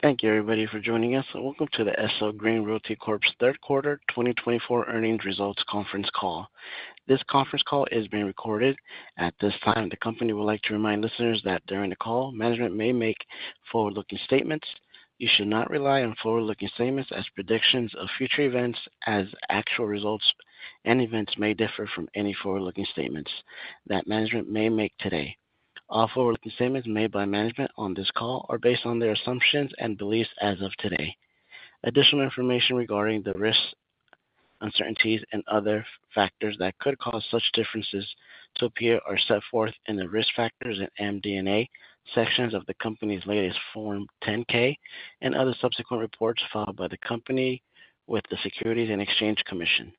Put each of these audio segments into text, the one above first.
Thank you, everybody, for joining us, and welcome to the SL Green Realty Corp.'s third quarter twenty twenty-four earnings results conference call. This conference call is being recorded. At this time, the company would like to remind listeners that during the call, management may make forward-looking statements. You should not rely on forward-looking statements as predictions of future events, as actual results and events may differ from any forward-looking statements that management may make today. All forward-looking statements made by management on this call are based on their assumptions and beliefs as of today. Additional information regarding the risks, uncertainties, and other factors that could cause such differences to appear are set forth in the Risk Factors and MD&A sections of the company's latest Form 10-K and other subsequent reports filed by the company with the Securities and Exchange Commission.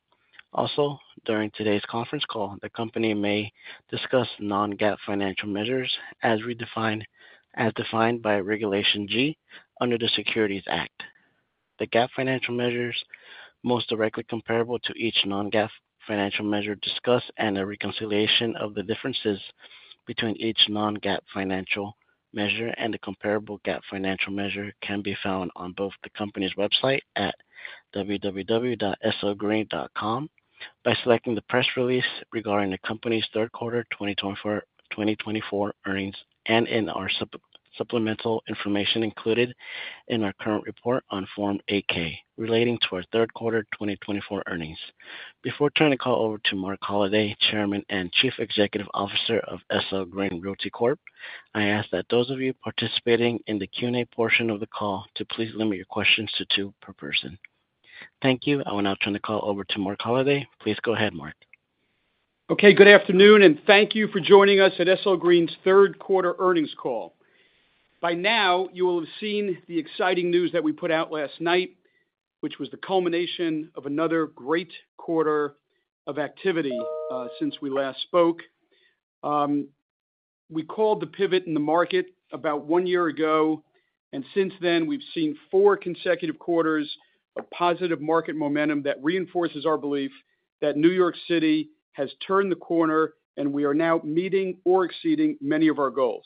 Also, during today's conference call, the company may discuss non-GAAP financial measures as defined by Regulation G under the Securities Act. The GAAP financial measures most directly comparable to each non-GAAP financial measure discussed, and a reconciliation of the differences between each non-GAAP financial measure and the comparable GAAP financial measure can be found on both the company's website at www.slgreen.com, by selecting the press release regarding the company's third quarter twenty twenty-four earnings, and in our supplemental information included in our current report on Form 8-K relating to our third quarter twenty twenty-four earnings. Before turning the call over to Marc Holliday, Chairman and Chief Executive Officer of SL Green Realty Corp., I ask that those of you participating in the Q&A portion of the call to please limit your questions to two per person. Thank you. I will now turn the call over to Marc Holliday. Please go ahead, Marc. Okay, good afternoon, and thank you for joining us at SL Green's third quarter earnings call. By now, you will have seen the exciting news that we put out last night, which was the culmination of another great quarter of activity, since we last spoke. We called the pivot in the market about one year ago, and since then, we've seen four consecutive quarters of positive market momentum that reinforces our belief that New York City has turned the corner, and we are now meeting or exceeding many of our goals.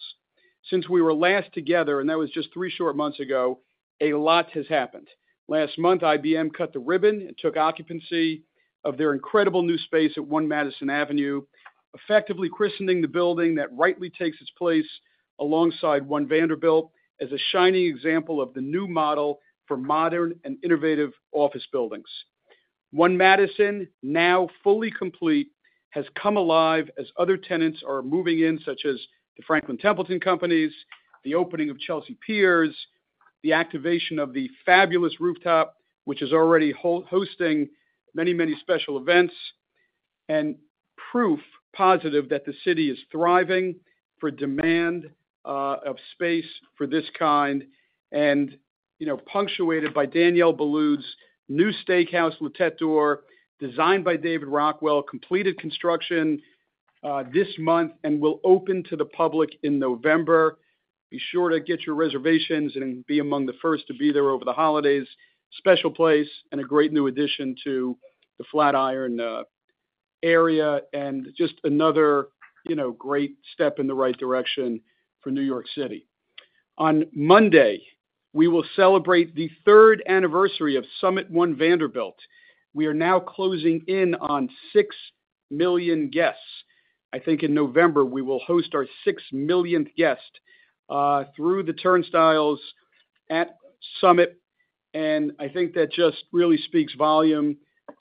Since we were last together, and that was just three short months ago, a lot has happened. Last month, IBM cut the ribbon and took occupancy of their incredible new space at One Madison Avenue, effectively christening the building that rightly takes its place alongside One Vanderbilt as a shining example of the new model for modern and innovative office buildings. One Madison, now fully complete, has come alive as other tenants are moving in, such as the Franklin Templeton Companies, the opening of Chelsea Piers, the activation of the fabulous rooftop, which is already hosting many, many special events, and proof positive that the city is thriving for demand, of space for this kind and, you know, punctuated by Daniel Boulud's new steakhouse, La Tête d'Or, designed by David Rockwell, completed construction, this month and will open to the public in November. Be sure to get your reservations and be among the first to be there over the holidays. Special place and a great new addition to the Flatiron area and just another, you know, great step in the right direction for New York City. On Monday, we will celebrate the third anniversary of Summit One Vanderbilt. We are now closing in on six million guests. I think in November, we will host our six millionth guest through the turnstiles at Summit, and I think that just really speaks volume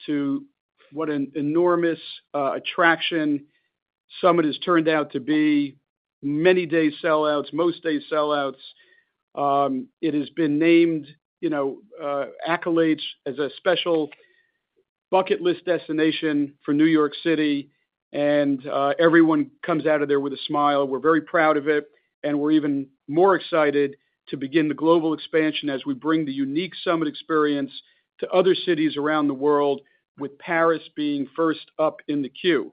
to what an enormous attraction Summit has turned out to be. Many day sellouts, most day sellouts. It has been named, you know, accolades as a special bucket list destination for New York City, and everyone comes out of there with a smile. We're very proud of it, and we're even more excited to begin the global expansion as we bring the unique Summit experience to other cities around the world, with Paris being first up in the queue.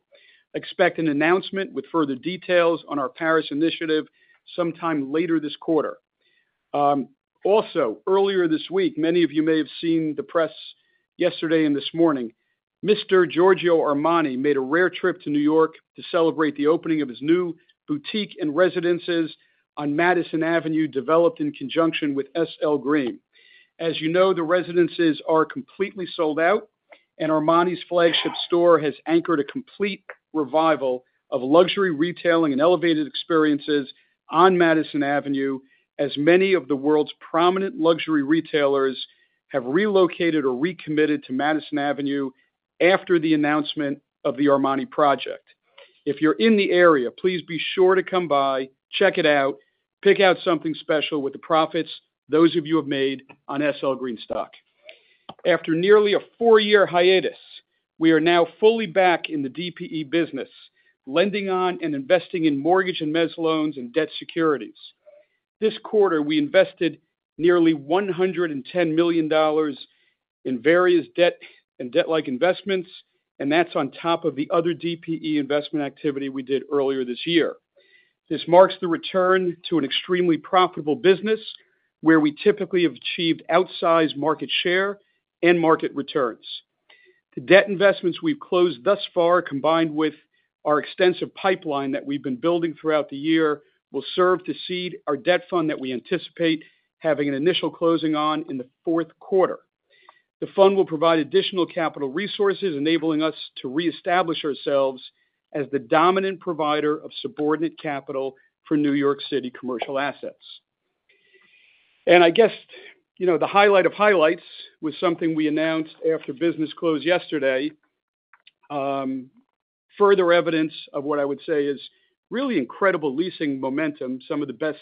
Expect an announcement with further details on our Paris initiative sometime later this quarter. Also, earlier this week, many of you may have seen the press yesterday and this morning. Mr. Giorgio Armani made a rare trip to New York to celebrate the opening of his new boutique and residences on Madison Avenue, developed in conjunction with SL Green. As you know, the residences are completely sold out, and Armani's flagship store has anchored a complete revival of luxury retailing and elevated experiences on Madison Avenue, as many of the world's prominent luxury retailers have relocated or recommitted to Madison Avenue after the announcement of the Armani project. If you're in the area, please be sure to come by, check it out, pick out something special with the profits those of you have made on SL Green stock. After nearly a four-year hiatus, we are now fully back in the DPE business, lending on and investing in mortgage and mezz loans and debt securities. This quarter, we invested nearly $110 million in various debt and debt-like investments, and that's on top of the other DPE investment activity we did earlier this year. This marks the return to an extremely profitable business, where we typically have achieved outsized market share and market returns. The debt investments we've closed thus far, combined with our extensive pipeline that we've been building throughout the year, will serve to seed our debt fund that we anticipate having an initial closing on in the fourth quarter. The fund will provide additional capital resources, enabling us to reestablish ourselves as the dominant provider of subordinate capital for New York City commercial assets. And I guess, you know, the highlight of highlights was something we announced after business closed yesterday. Further evidence of what I would say is really incredible leasing momentum, some of the best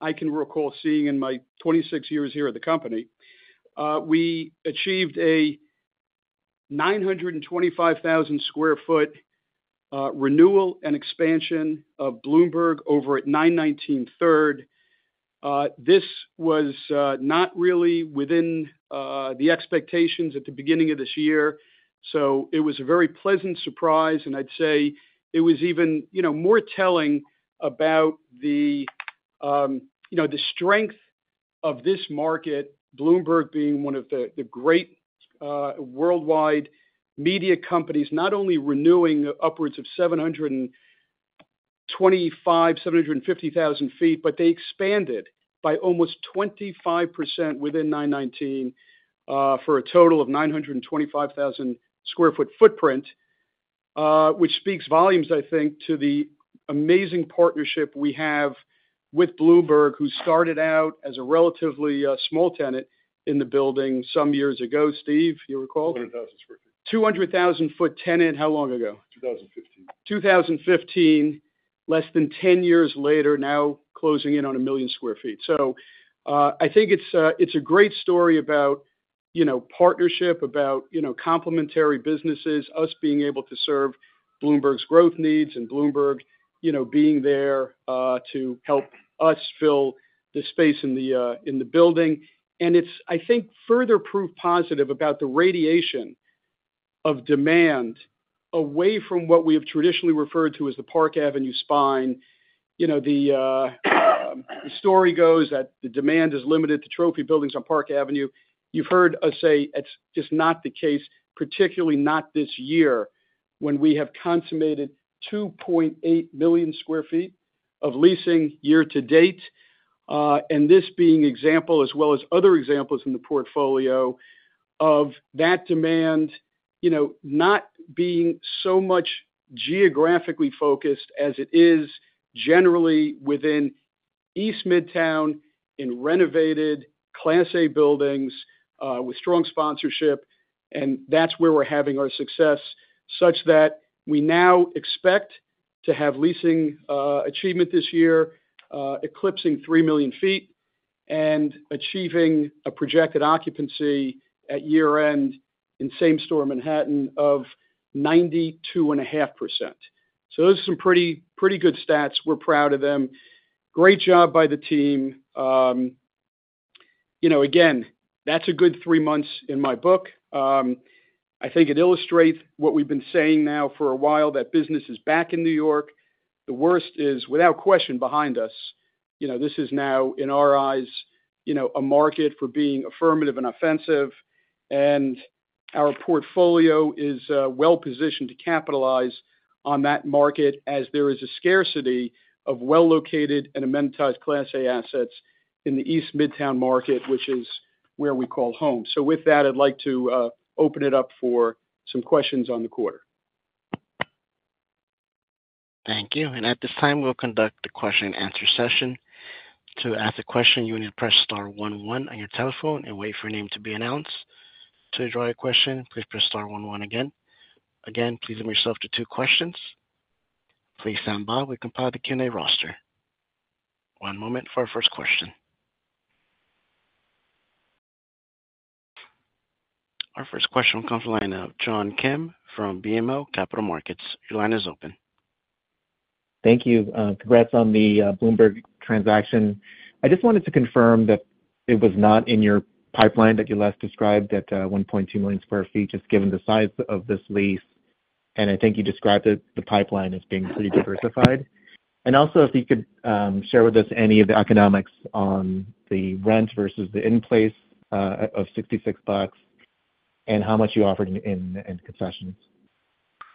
I can recall seeing in my twenty-six years here at the company. We achieved a 925,000 sq ft renewal and expansion of Bloomberg over at 919 Third Avenue. This was not really within the expectations at the beginning of this year, so it was a very pleasant surprise, and I'd say it was even, you know, more telling about the, you know, the strength of this market, Bloomberg being one of the great worldwide media companies, not only renewing upwards of 725,000-750,000 sq ft, but they expanded by almost 25% within 919 for a total of 925,000 sq ft footprint. Which speaks volumes, I think, to the amazing partnership we have with Bloomberg, who started out as a relatively small tenant in the building some years ago. Steve, you recall? 200,000 sq ft. 200,000 sq ft tenant, how long ago? 2015. 2015, less than ten years later, now closing in on 1 million sq ft. So, I think it's a great story about, you know, partnership, about, you know, complementary businesses, us being able to serve Bloomberg's growth needs and Bloomberg, you know, being there to help us fill the space in the building. And it's. I think, further proof positive about the radiation of demand away from what we have traditionally referred to as the Park Avenue Spine. You know, the story goes that the demand is limited to trophy buildings on Park Avenue. You've heard us say it's just not the case, particularly not this year, when we have consummated 2.8 million sq ft of leasing year to date. And this being an example as well as other examples in the portfolio of that demand, you know, not being so much geographically focused as it is generally within East Midtown, in renovated Class A buildings, with strong sponsorship, and that's where we're having our success, such that we now expect to have leasing achievement this year, eclipsing three million sq ft and achieving a projected occupancy at year-end in same store Manhattan of 92.5%. So those are some pretty, pretty good stats. We're proud of them. Great job by the team. You know, again, that's a good three months in my book. I think it illustrates what we've been saying now for a while, that business is back in New York. The worst is, without question, behind us. You know, this is now, in our eyes, you know, a market for being affirmative and offensive. And our portfolio is well positioned to capitalize on that market as there is a scarcity of well-located and amenitized Class A assets in the East Midtown market, which is where we call home. So with that, I'd like to open it up for some questions on the quarter. Thank you, and at this time, we'll conduct the question and answer session. To ask a question, you need to press star one one on your telephone and wait for your name to be announced. To withdraw your question, please press star one one again. Again, please limit yourself to two questions. Please stand by. We compiled the Q&A roster. One moment for our first question. Our first question comes from the line of John Kim from BMO Capital Markets. Your line is open. Thank you. Congrats on the Bloomberg transaction. I just wanted to confirm that it was not in your pipeline that you last described, that 1.2 million sq ft, just given the size of this lease, and I think you described it, the pipeline as being pretty diversified. And also, if you could share with us any of the economics on the rent versus the in-place of $66 and how much you offered in concessions.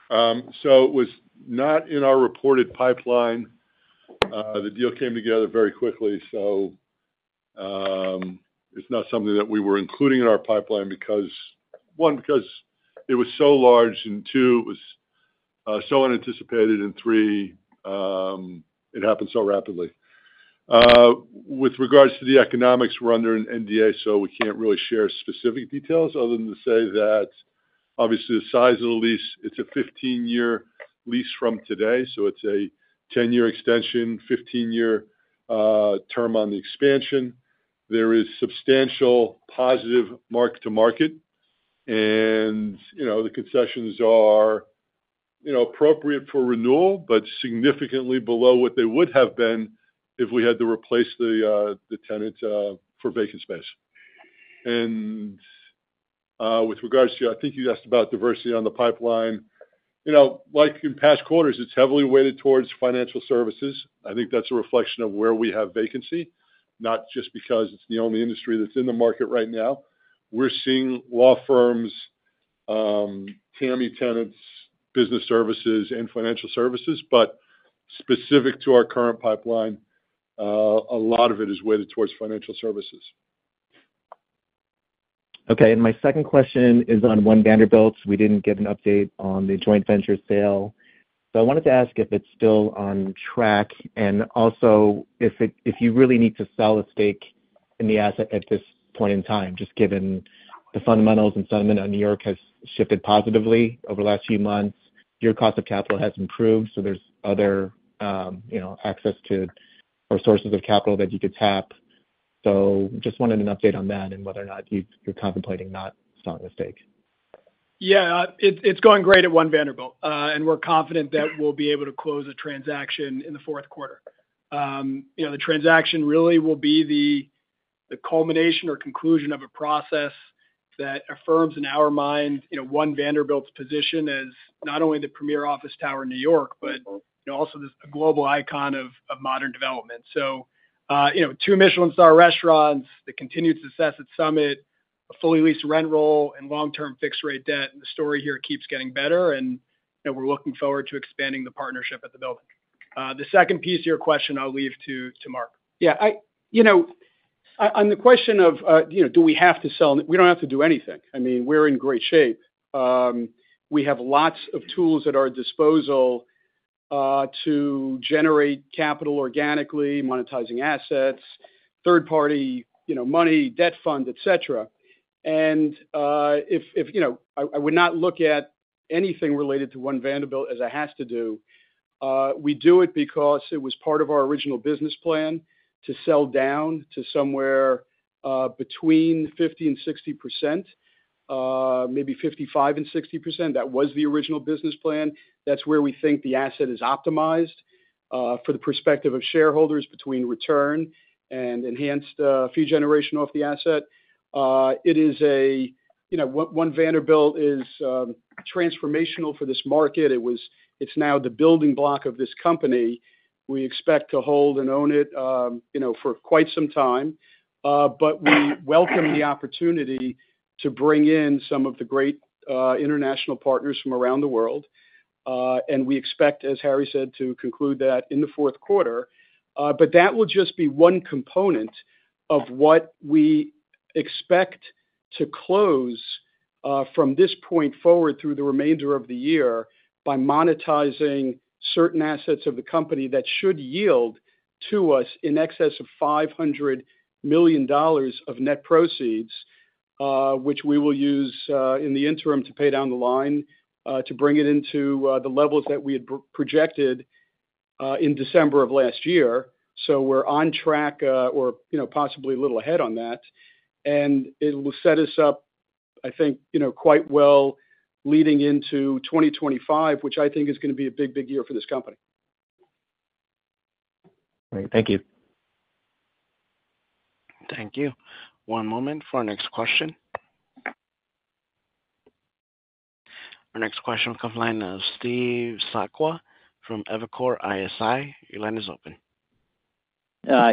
So it was not in our reported pipeline. The deal came together very quickly, so it's not something that we were including in our pipeline because, one, because it was so large, and two, it was so unanticipated, and three, it happened so rapidly. With regards to the economics, we're under an NDA, so we can't really share specific details other than to say that obviously the size of the lease, it's a 15-year lease from today, so it's a 10-year extension, 15-year term on the expansion. There is substantial positive mark to market, and you know, the concessions are, you know, appropriate for renewal, but significantly below what they would have been if we had to replace the tenant for vacant space. With regards to... I think you asked about diversity on the pipeline. You know, like in past quarters, it's heavily weighted towards financial services. I think that's a reflection of where we have vacancy, not just because it's the only industry that's in the market right now. We're seeing law firms, TAMI tenants, business services, and financial services, but specific to our current pipeline, a lot of it is weighted towards financial services. Okay. And my second question is on One Vanderbilt. We didn't get an update on the joint venture sale, so I wanted to ask if it's still on track, and also, if you really need to sell a stake in the asset at this point in time, just given the fundamentals and sentiment on New York has shifted positively over the last few months. Your cost of capital has improved, so there's other, you know, access to, or sources of capital that you could tap. So just wanted an update on that and whether or not you're contemplating not selling a stake. Yeah, it's going great at One Vanderbilt, and we're confident that we'll be able to close a transaction in the fourth quarter. You know, the transaction really will be the culmination or conclusion of a process that affirms in our mind, you know, One Vanderbilt's position as not only the premier office tower in New York, but, you know, also this... A global icon of modern development. So, you know, two Michelin-star restaurants, the continued success at Summit, a fully leased rent roll, and long-term fixed rate debt, and the story here keeps getting better, and, you know, we're looking forward to expanding the partnership at the building. The second piece of your question, I'll leave to Marc. Yeah, you know, on the question of, you know, do we have to sell? We don't have to do anything. I mean, we're in great shape. We have lots of tools at our disposal to generate capital organically, monetizing assets, third party, you know, money, debt fund, et cetera. And, if you know, I would not look at anything related to One Vanderbilt as a has to do. We do it because it was part of our original business plan to sell down to somewhere between 50% and 60%, maybe 55% and 60%. That was the original business plan. That's where we think the asset is optimized for the perspective of shareholders between return and enhanced fee generation off the asset. It is a, you know, One Vanderbilt is transformational for this market. It's now the building block of this company. We expect to hold and own it, you know, for quite some time. But we welcome the opportunity to bring in some of the great international partners from around the world. And we expect, as Harry said, to conclude that in the fourth quarter. But that will just be one component of what we expect to close from this point forward through the remainder of the year by monetizing certain assets of the company that should yield to us in excess of $500 million of net proceeds, which we will use in the interim to pay down the line to bring it into the levels that we had projected in December of last year. So we're on track or you know possibly a little ahead on that, and it will set us up I think you know quite well leading into 2025, which I think is gonna be a big big year for this company. Great. Thank you. Thank you. One moment for our next question. Our next question comes from the line of Steve Sakwa from Evercore ISI. Your line is open.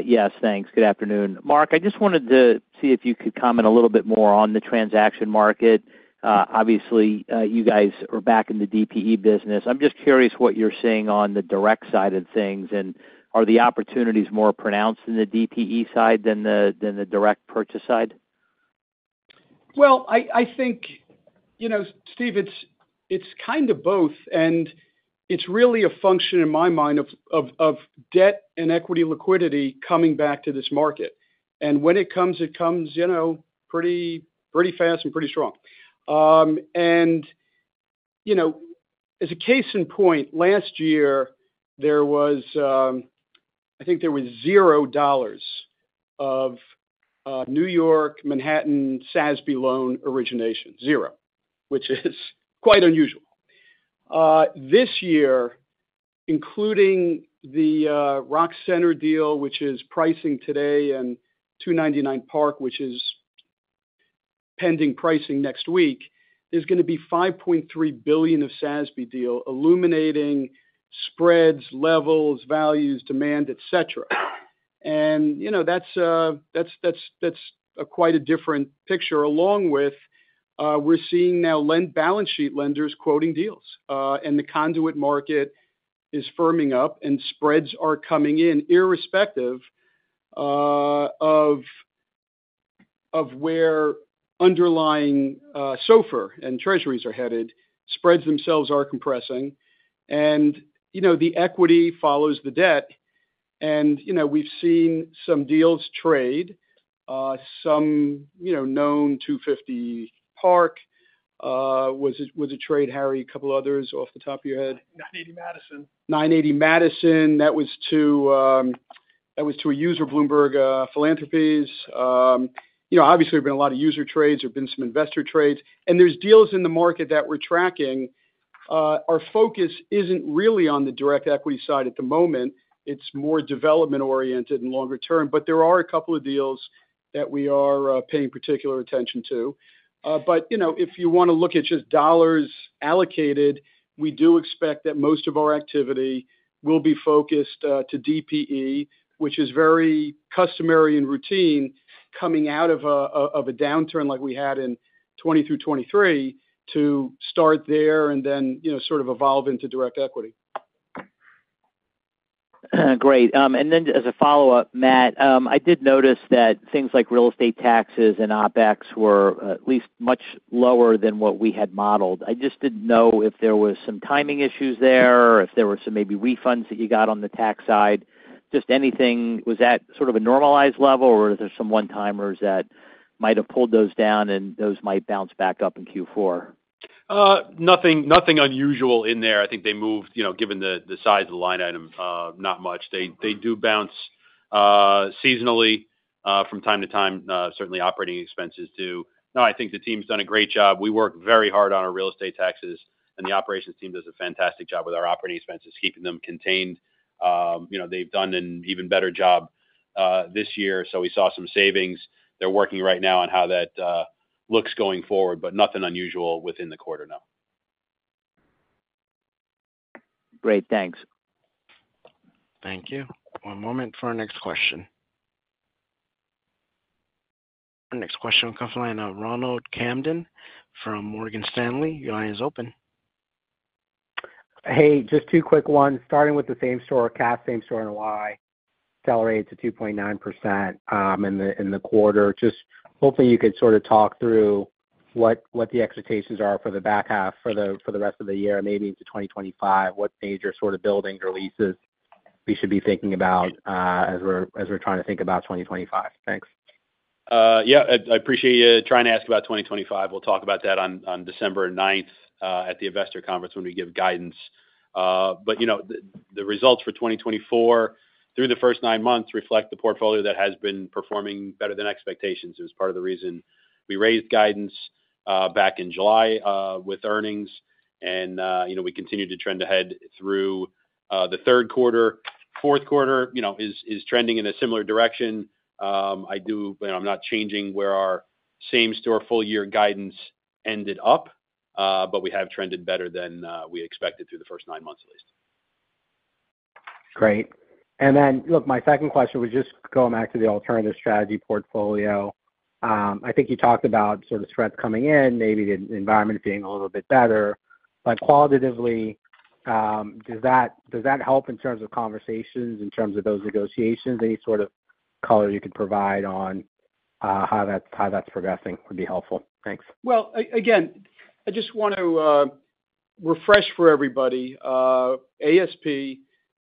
Yes, thanks. Good afternoon. Marc, I just wanted to see if you could comment a little bit more on the transaction market. Obviously, you guys are back in the DPE business. I'm just curious what you're seeing on the direct side of things, and are the opportunities more pronounced in the DPE side than the direct purchase side? I think, you know, Steve, it's kind of both, and it's really a function in my mind of debt and equity liquidity coming back to this market. And when it comes, it comes, you know, pretty fast and pretty strong. And, you know, as a case in point, last year, there was, I think there was zero dollars of New York, Manhattan, SASB loan origination, zero, which is quite unusual. This year, including the Rock Center deal, which is pricing today, and 299 Park, which is pending pricing next week, there's gonna be $5.3 billion of SASB deal, illuminating spreads, levels, values, demand, et cetera. And, you know, that's a quite a different picture, along with, we're seeing now lending balance sheet lenders quoting deals. And the conduit market is firming up and spreads are coming in, irrespective of where underlying SOFR and Treasuries are headed. Spreads themselves are compressing, and, you know, the equity follows the debt, and, you know, we've seen some deals trade, some, you know, known 250 Park, was it, was a trade, Harry, a couple others off the top of your head? 980 Madison. 980 Madison Avenue, that was to a user, Bloomberg Philanthropies. You know, obviously, there have been a lot of user trades, there have been some investor trades, and there's deals in the market that we're tracking. Our focus isn't really on the direct equity side at the moment. It's more development oriented and longer term, but there are a couple of deals that we are paying particular attention to. But, you know, if you wanna look at just dollars allocated, we do expect that most of our activity will be focused to DPE, which is very customary and routine coming out of a downturn like we had in 2020 through 2023, to start there and then, you know, sort of evolve into direct equity. Great. And then as a follow-up, Matt, I did notice that things like real estate taxes and OpEx were at least much lower than what we had modeled. I just didn't know if there was some timing issues there, or if there were some maybe refunds that you got on the tax side. Just anything, was that sort of a normalized level, or are there some one-timers that might have pulled those down, and those might bounce back up in Q4? Nothing unusual in there. I think they moved, you know, given the size of the line item, not much. They do bounce seasonally from time to time, certainly operating expenses, too. No, I think the team's done a great job. We work very hard on our real estate taxes, and the operations team does a fantastic job with our operating expenses, keeping them contained. You know, they've done an even better job this year, so we saw some savings. They're working right now on how that looks going forward, but nothing unusual within the quarter, no. Great. Thanks. Thank you. One moment for our next question. Our next question comes from the line of Ronald Kamdem from Morgan Stanley. Your line is open. Hey, just two quick ones, starting with the same-store cash same-store and why accelerated to 2.9% in the quarter. Just hopefully you could sort of talk through what the expectations are for the back half for the rest of the year, maybe into 2025. What major sort of buildings or leases we should be thinking about, as we're trying to think about 2025? Thanks. Yeah, I appreciate you trying to ask about twenty twenty-five. We'll talk about that on December ninth at the investor conference when we give guidance, but you know, the results for 2024 through the first nine months reflect the portfolio that has been performing better than expectations. It was part of the reason we raised guidance back in July with earnings, and you know, we continued to trend ahead through the third quarter. Fourth quarter you know is trending in a similar direction. You know, I'm not changing where our same store full year guidance ended up, but we have trended better than we expected through the first nine months at least. Great. And then, look, my second question was just going back to the alternative strategy portfolio. I think you talked about sort of threats coming in, maybe the environment being a little bit better, but qualitatively, does that, does that help in terms of conversations, in terms of those negotiations? Any sort of color you can provide on, how that's, how that's progressing would be helpful. Thanks. Well, again, I just want to refresh for everybody. ASP,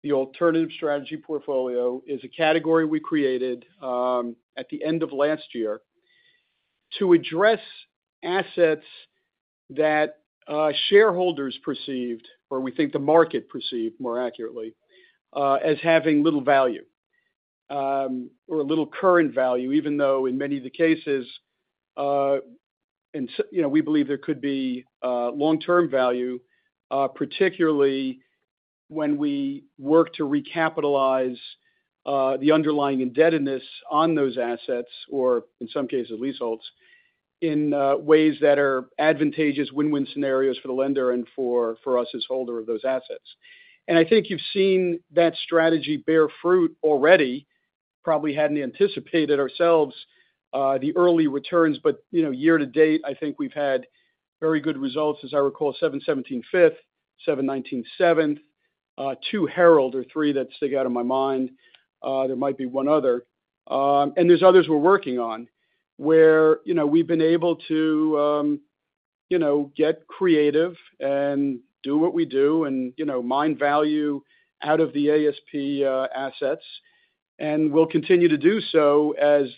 the alternative strategy portfolio, is a category we created at the end of last year to address assets that shareholders perceived, or we think the market perceived more accurately, as having little value or little current value, even though in many of the cases and so. You know, we believe there could be long-term value, particularly when we work to recapitalize the underlying indebtedness on those assets, or in some cases, leaseholds, in ways that are advantageous win-win scenarios for the lender and for us as holder of those assets. And I think you've seen that strategy bear fruit already. Probably hadn't anticipated ourselves the early returns, but you know, year to date, I think we've had very good results. As I recall, 717 Fifth Avenue, 719 Seventh Avenue, 2 Herald Square or three that stick out in my mind. There might be one other. And there's others we're working on, where, you know, we've been able to, you know, get creative and do what we do and, you know, mine value out of the ASP assets, and we'll continue to do so as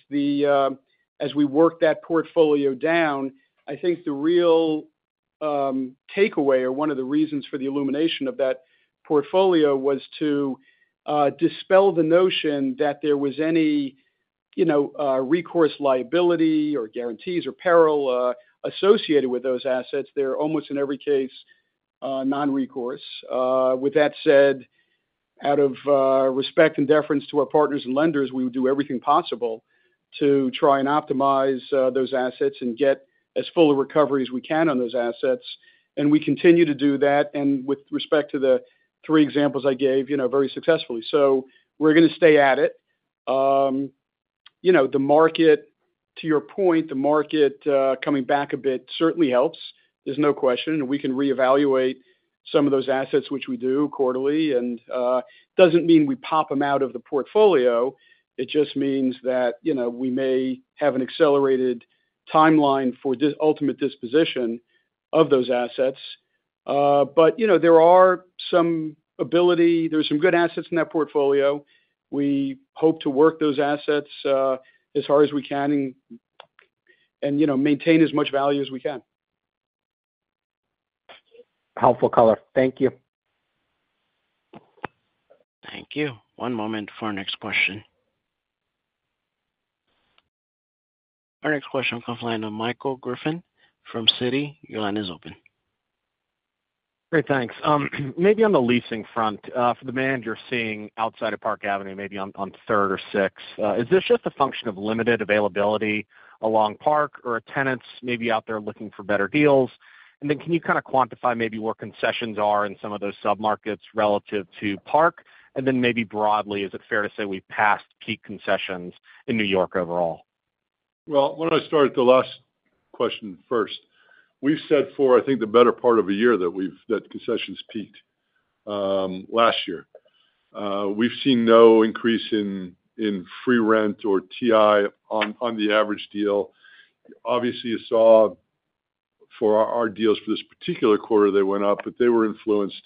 we work that portfolio down. I think the real takeaway, or one of the reasons for the elimination of that portfolio, was to dispel the notion that there was any, you know, recourse, liability, or guarantees, or peril associated with those assets. They're almost, in every case, non-recourse. With that said, out of respect and deference to our partners and lenders, we would do everything possible to try and optimize those assets and get as full a recovery as we can on those assets. And we continue to do that, and with respect to the three examples I gave, you know, very successfully. So we're gonna stay at it. You know, the market, to your point, the market coming back a bit certainly helps. There's no question, and we can reevaluate some of those assets, which we do quarterly, and doesn't mean we pop them out of the portfolio. It just means that, you know, we may have an accelerated timeline for ultimate disposition of those assets. But you know, there are some good assets in that portfolio. We hope to work those assets as hard as we can and you know maintain as much value as we can. Helpful color. Thank you. Thank you. One moment for our next question.... Our next question comes from the line of Michael Griffin from Citi. Your line is open. Great, thanks. Maybe on the leasing front, for the demand you're seeing outside of Park Avenue, maybe on Third or Sixth, is this just a function of limited availability along Park or are tenants maybe out there looking for better deals? And then can you kind of quantify maybe where concessions are in some of those submarkets relative to Park? And then maybe broadly, is it fair to say we've passed peak concessions in New York overall? Why don't I start with the last question first. We've said for, I think, the better part of a year, that concessions peaked last year. We've seen no increase in free rent or TI on the average deal. Obviously, you saw for our deals for this particular quarter, they went up, but they were influenced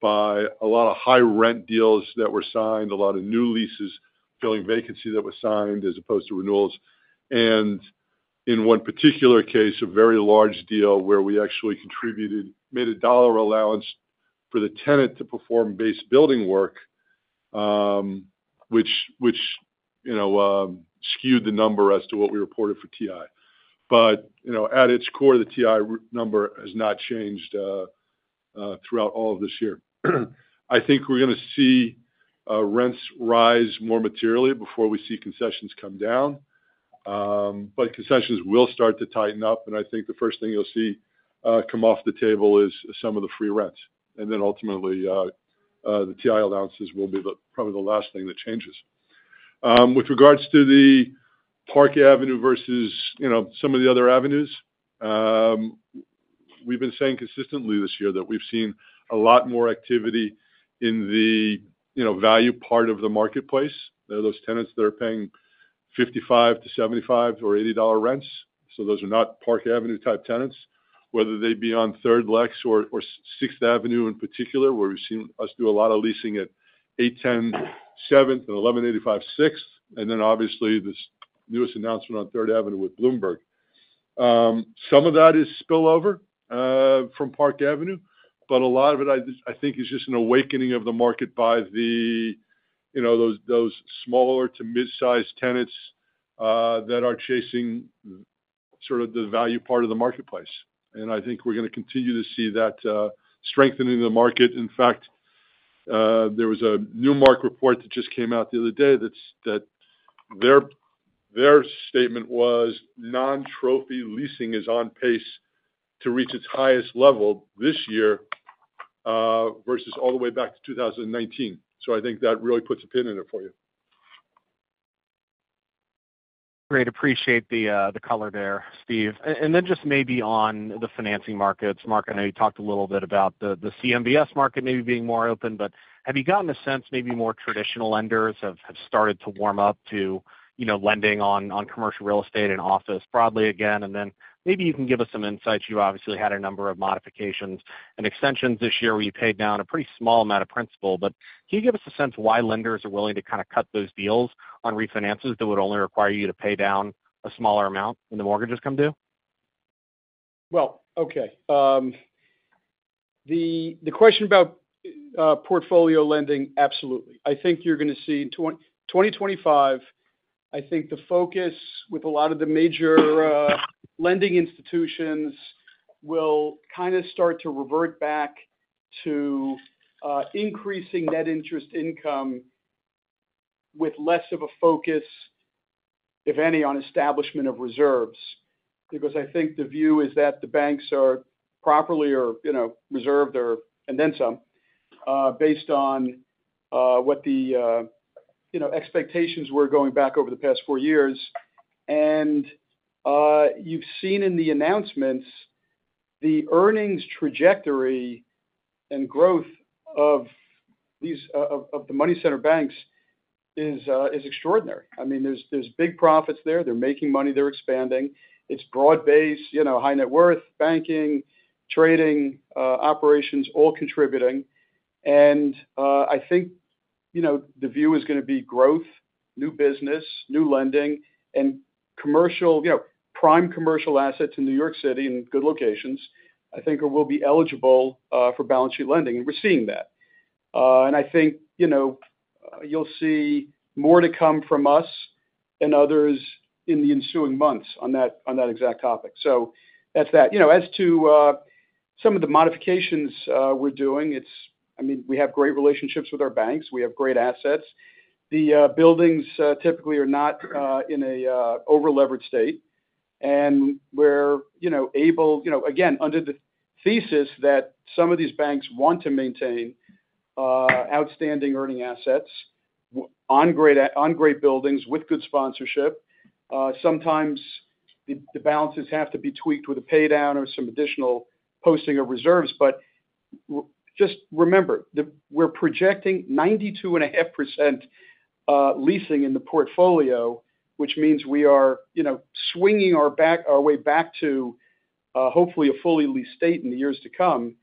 by a lot of high rent deals that were signed, a lot of new leases filling vacancy that were signed as opposed to renewals. And in one particular case, a very large deal where we actually made a dollar allowance for the tenant to perform base building work, which, you know, skewed the number as to what we reported for TI. But, you know, at its core, the TI number has not changed throughout all of this year. I think we're gonna see rents rise more materially before we see concessions come down. But concessions will start to tighten up, and I think the first thing you'll see come off the table is some of the free rents. And then ultimately the TI allowances will probably be the last thing that changes. With regards to the Park Avenue versus, you know, some of the other avenues, we've been saying consistently this year that we've seen a lot more activity in the, you know, value part of the marketplace. They're those tenants that are paying $55-$75 or $80 rents, so those are not Park Avenue-type tenants. Whether they be on Third, Lex or Sixth Avenue, in particular, where we've seen us do a lot of leasing at 810 Seventh Avenue and 1185 Sixth Avenue, and then obviously, this newest announcement on Third Avenue with Bloomberg. Some of that is spillover from Park Avenue, but a lot of it, I just, I think, is just an awakening of the market by the, you know, those smaller to mid-sized tenants that are chasing sort of the value part of the marketplace. And I think we're gonna continue to see that strengthening the market. In fact, there was a Newmark report that just came out the other day that's. Their statement was, "Non-trophy leasing is on pace to reach its highest level this year versus all the way back to 2019." So I think that really puts a pin in it for you. Great. Appreciate the color there, Steve. And then just maybe on the financing markets. Marc, I know you talked a little bit about the CMBS market maybe being more open, but have you gotten a sense, maybe more traditional lenders have started to warm up to, you know, lending on commercial real estate and office broadly again, and then maybe you can give us some insights. You obviously had a number of modifications and extensions this year where you paid down a pretty small amount of principal, but can you give us a sense why lenders are willing to kind of cut those deals on refinances that would only require you to pay down a smaller amount when the mortgages come due? Okay, the question about portfolio lending, absolutely. I think you're gonna see in 2025, I think the focus with a lot of the major lending institutions will kind of start to revert back to increasing net interest income with less of a focus, if any, on establishment of reserves. Because I think the view is that the banks are properly reserved or, you know, and then some based on what the, you know, expectations were going back over the past four years. And you've seen in the announcements, the earnings trajectory and growth of these money center banks is extraordinary. I mean, there's big profits there. They're making money, they're expanding. It's broad-based, you know, high net worth, banking, trading operations, all contributing. And, I think, you know, the view is gonna be growth, new business, new lending, and commercial, you know, prime commercial assets in New York City, in good locations, I think will be eligible, for balance sheet lending, and we're seeing that. And I think, you know, you'll see more to come from us and others in the ensuing months on that, on that exact topic. So that's that. You know, as to, some of the modifications, we're doing, it's. I mean, we have great relationships with our banks. We have great assets. The buildings typically are not in a overleveraged state, and we're, you know. You know, again, under the thesis that some of these banks want to maintain outstanding earning assets on great buildings with good sponsorship. Sometimes the balances have to be tweaked with a pay down or some additional posting of reserves. But just remember, we're projecting 92.5% leasing in the portfolio, which means we are, you know, swinging our back, our way back to, hopefully, a fully leased state in the years to come.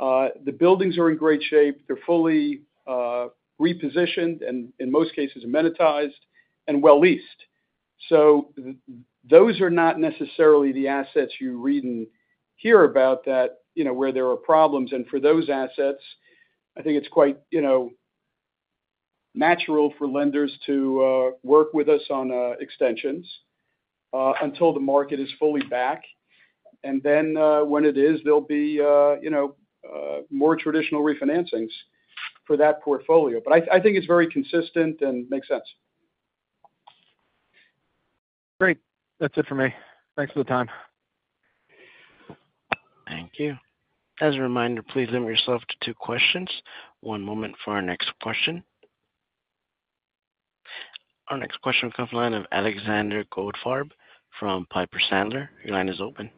The buildings are in great shape. They're fully repositioned, and in most cases, amenitized and well leased. So those are not necessarily the assets you read and hear about that, you know, where there are problems. And for those assets, I think it's quite, you know-... natural for lenders to work with us on extensions until the market is fully back. And then, when it is, there'll be, you know, more traditional refinancings for that portfolio. But I think it's very consistent and makes sense. Great. That's it for me. Thanks for the time. Thank you. As a reminder, please limit yourself to two questions. One moment for our next question. Our next question comes from the line of Alexander Goldfarb from Piper Sandler. Your line is open.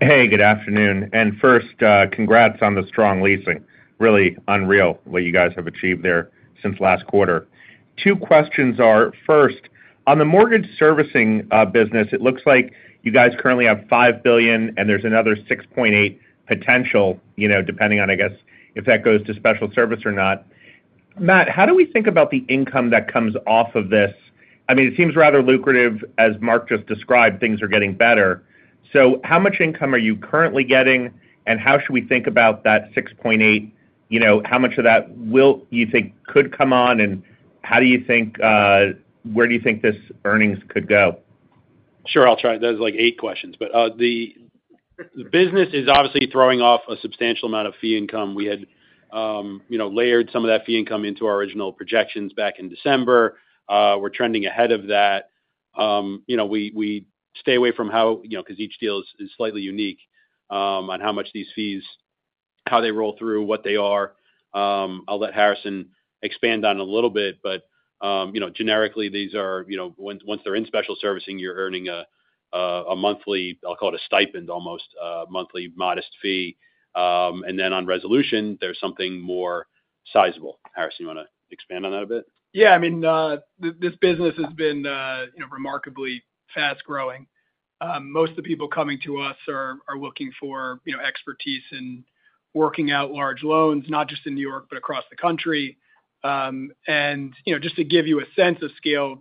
Hey, good afternoon. And first, congrats on the strong leasing. Really unreal, what you guys have achieved there since last quarter. Two questions are, first, on the mortgage servicing business. It looks like you guys currently have $5 billion, and there's another $6.8 billion potential, you know, depending on, I guess, if that goes to special servicing or not. Matt, how do we think about the income that comes off of this? I mean, it seems rather lucrative. As Marc just described, things are getting better. So how much income are you currently getting, and how should we think about that $6.8 billion? You know, how much of that will you think could come on, and how do you think where do you think this earnings could go? Sure, I'll try. That is like eight questions. But, the business is obviously throwing off a substantial amount of fee income. We had, you know, layered some of that fee income into our original projections back in December. We're trending ahead of that. You know, we stay away from how, you know, 'cause each deal is slightly unique on how much these fees, how they roll through, what they are. I'll let Harrison expand on it a little bit, but, you know, generically, these are, you know, once they're in special servicing, you're earning a monthly, I'll call it a stipend, almost a monthly modest fee. And then on resolution, there's something more sizable. Harrison, you want to expand on that a bit? Yeah, I mean, this business has been, you know, remarkably fast-growing. Most of the people coming to us are looking for, you know, expertise in working out large loans, not just in New York, but across the country. And, you know, just to give you a sense of scale,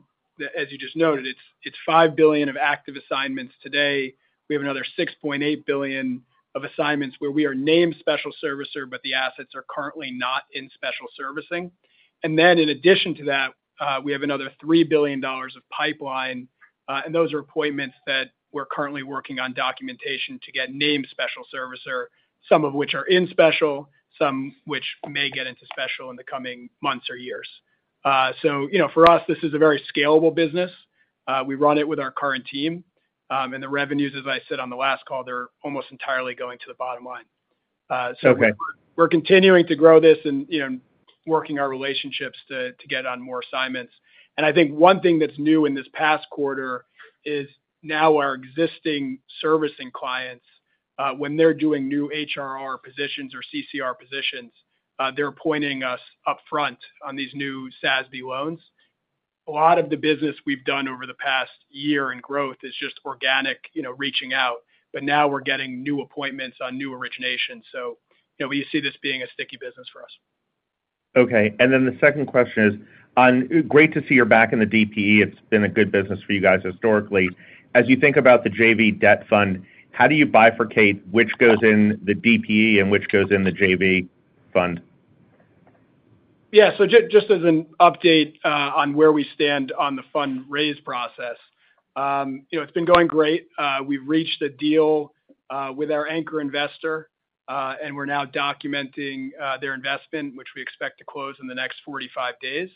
as you just noted, it's $5 billion of active assignments today. We have another $6.8 billion of assignments where we are named special servicer, but the assets are currently not in special servicing. And then in addition to that, we have another $3 billion of pipeline, and those are appointments that we're currently working on documentation to get named special servicer, some of which are in special, some which may get into special in the coming months or years. You know, for us, this is a very scalable business. We run it with our current team, and the revenues, as I said on the last call, they're almost entirely going to the bottom line. So- Okay. We're continuing to grow this and, you know, working our relationships to get on more assignments. And I think one thing that's new in this past quarter is now our existing servicing clients, when they're doing new HRR positions or VVR positions, they're appointing us upfront on these new SASB loans. A lot of the business we've done over the past year in growth is just organic, you know, reaching out, but now we're getting new appointments on new originations. So, you know, we see this being a sticky business for us. Okay, and then the second question is on... Great to see you're back in the DPE. It's been a good business for you guys historically. As you think about the JV debt fund, how do you bifurcate which goes in the DPE and which goes in the JV fund? Yeah, so just as an update on where we stand on the fund raise process, you know, it's been going great. We've reached a deal with our anchor investor and we're now documenting their investment, which we expect to close in the next forty-five days.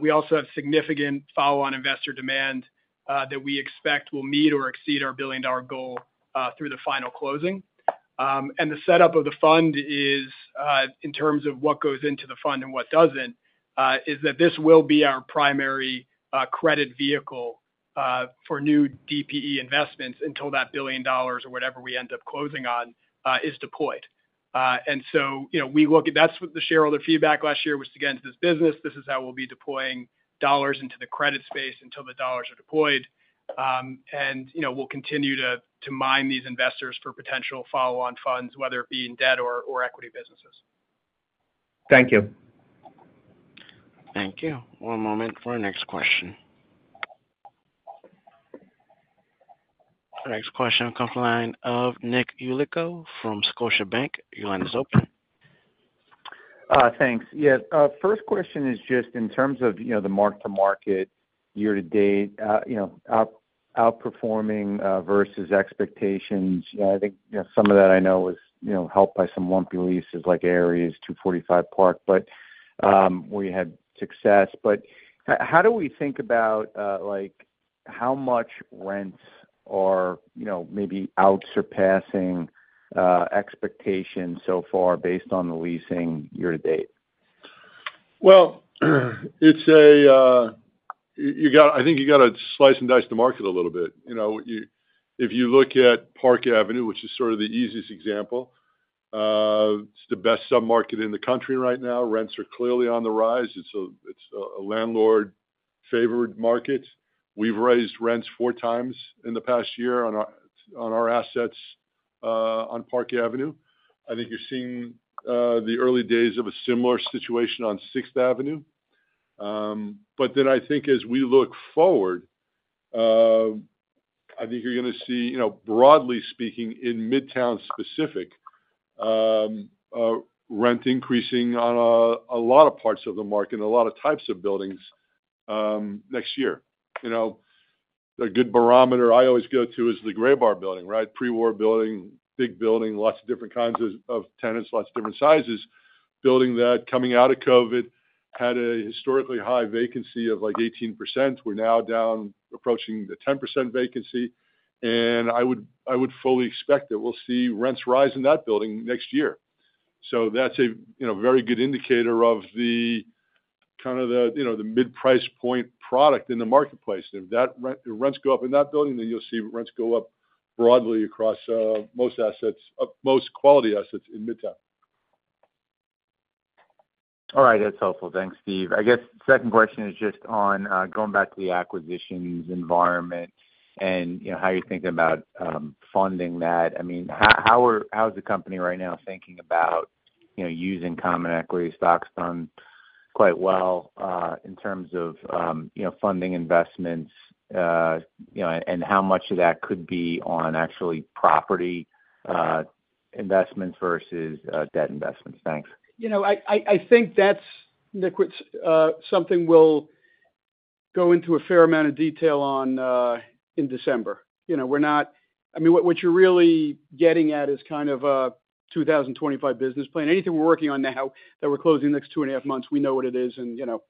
We also have significant follow-on investor demand that we expect will meet or exceed our billion-dollar goal through the final closing. And the setup of the fund is in terms of what goes into the fund and what doesn't is that this will be our primary credit vehicle for new DPE investments until that billion dollars or whatever we end up closing on is deployed. And so, you know, we look at-- that's what the shareholder feedback last year was to get into this business. This is how we'll be deploying dollars into the credit space until the dollars are deployed, and, you know, we'll continue to mine these investors for potential follow-on funds, whether it be in debt or equity businesses. Thank you. Thank you. One moment for our next question. Our next question comes from the line of Nick Yulico from Scotiabank. Your line is open. Thanks. Yeah, first question is just in terms of, you know, the mark-to-market year to date, you know, outperforming versus expectations. I think, you know, some of that I know is, you know, helped by some lumpy leases, like Ares, 245 Park, but we had success. But how do we think about, like, how much rents are, you know, maybe out surpassing expectations so far, based on the leasing year to date? It's a. I think you got to slice and dice the market a little bit. You know, if you look at Park Avenue, which is sort of the easiest example, it's the best sub-market in the country right now. Rents are clearly on the rise. It's a landlord-favored market. We've raised rents four times in the past year on our assets on Park Avenue. I think you're seeing the early days of a similar situation on Sixth Avenue. But then I think as we look forward,... I think you're gonna see, you know, broadly speaking, in Midtown specific, rent increasing on, a lot of parts of the market and a lot of types of buildings, next year. You know, a good barometer I always go to is the Graybar Building, right? Pre-war building, big building, lots of different kinds of tenants, lots of different sizes. Building that, coming out of COVID, had a historically high vacancy of, like, 18%. We're now down approaching the 10% vacancy, and I would fully expect that we'll see rents rise in that building next year. So that's a, you know, very good indicator of the, kind of the, you know, the mid-price point product in the marketplace. If that rent, if rents go up in that building, then you'll see rents go up broadly across most assets, most quality assets in Midtown. All right. That's helpful. Thanks, Steve. I guess the second question is just on going back to the acquisitions environment and, you know, how you're thinking about funding that. I mean, how is the company right now thinking about, you know, using common equity? Stock's done quite well in terms of, you know, funding investments, you know, and how much of that could be on actually property investments versus debt investments? Thanks. You know, I think that's, Nick, what's something we'll go into a fair amount of detail on in December. You know, we're not. I mean, what you're really getting at is kind of a 2025 business plan. Anything we're working on now that we're closing the next two and a half months, we know what it is, and, you know,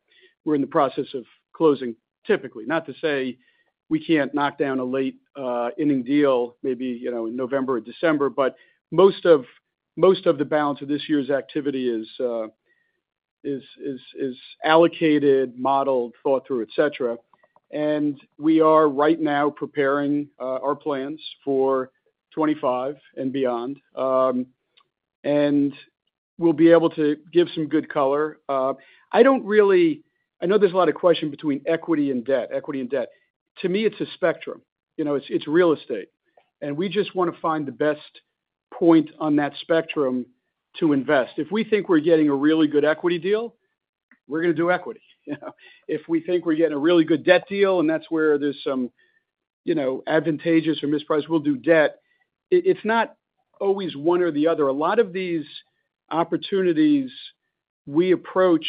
we're in the process of closing, typically. Not to say we can't knock down a late inning deal maybe, you know, in November or December, but most of the balance of this year's activity is allocated, modeled, thought through, et cetera. And we are right now preparing our plans for 2025 and beyond, and we'll be able to give some good color. I don't really know there's a lot of question between equity and debt, equity and debt. To me, it's a spectrum, you know, it's real estate, and we just wanna find the best point on that spectrum to invest. If we think we're getting a really good equity deal, we're gonna do equity, you know? If we think we're getting a really good debt deal, and that's where there's some, you know, advantageous or mispriced, we'll do debt. It's not always one or the other. A lot of these opportunities we approach,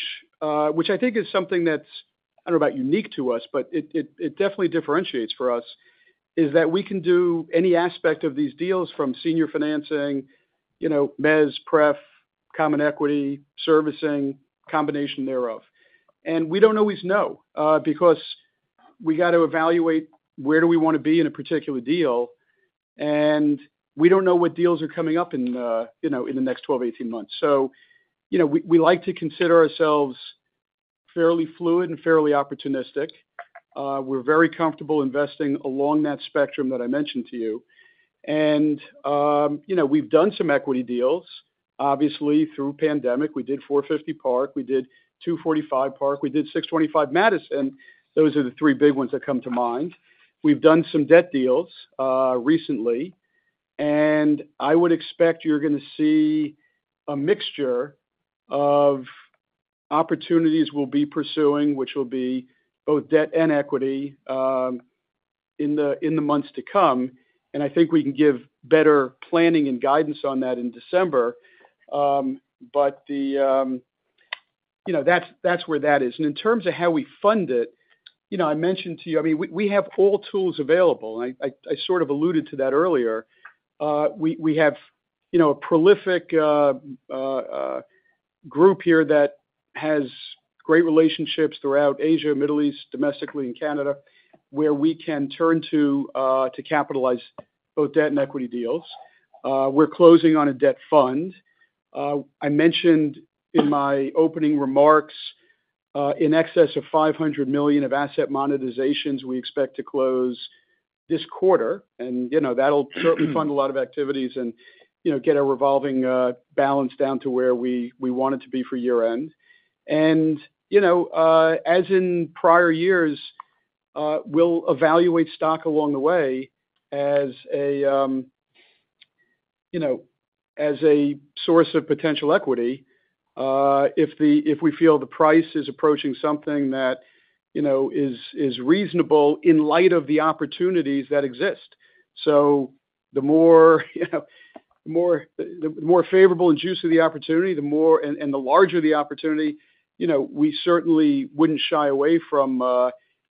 which I think is something that's, I don't know about unique to us, but it definitely differentiates for us, is that we can do any aspect of these deals from senior financing, you know, mezz, pref, common equity, servicing, combination thereof. We don't always know, because we got to evaluate where do we want to be in a particular deal, and we don't know what deals are coming up in, you know, in the next 12 to 18 months. You know, we like to consider ourselves fairly fluid and fairly opportunistic. We're very comfortable investing along that spectrum that I mentioned to you. You know, we've done some equity deals, obviously, through pandemic. We did 450 Park, we did 245 Park, we did 625 Madison. Those are the three big ones that come to mind. We've done some debt deals, recently, and I would expect you're gonna see a mixture of opportunities we'll be pursuing, which will be both debt and equity, in the months to come. And I think we can give better planning and guidance on that in December. But the, you know, that's, that's where that is. And in terms of how we fund it, you know, I mentioned to you, I mean, we have all tools available, and I sort of alluded to that earlier. We have, you know, a prolific group here that has great relationships throughout Asia, Middle East, domestically in Canada, where we can turn to to capitalize both debt and equity deals. We're closing on a debt fund. I mentioned in my opening remarks, in excess of $500 million of asset monetizations we expect to close this quarter, and, you know, that'll certainly fund a lot of activities and, you know, get our revolving balance down to where we want it to be for year-end. And, you know, as in prior years, we'll evaluate stock along the way as a, you know, as a source of potential equity, if we feel the price is approaching something that, you know, is reasonable in light of the opportunities that exist. So the more, you know, the more, the more favorable and juice of the opportunity, the more, and, and the larger the opportunity, you know, we certainly wouldn't shy away from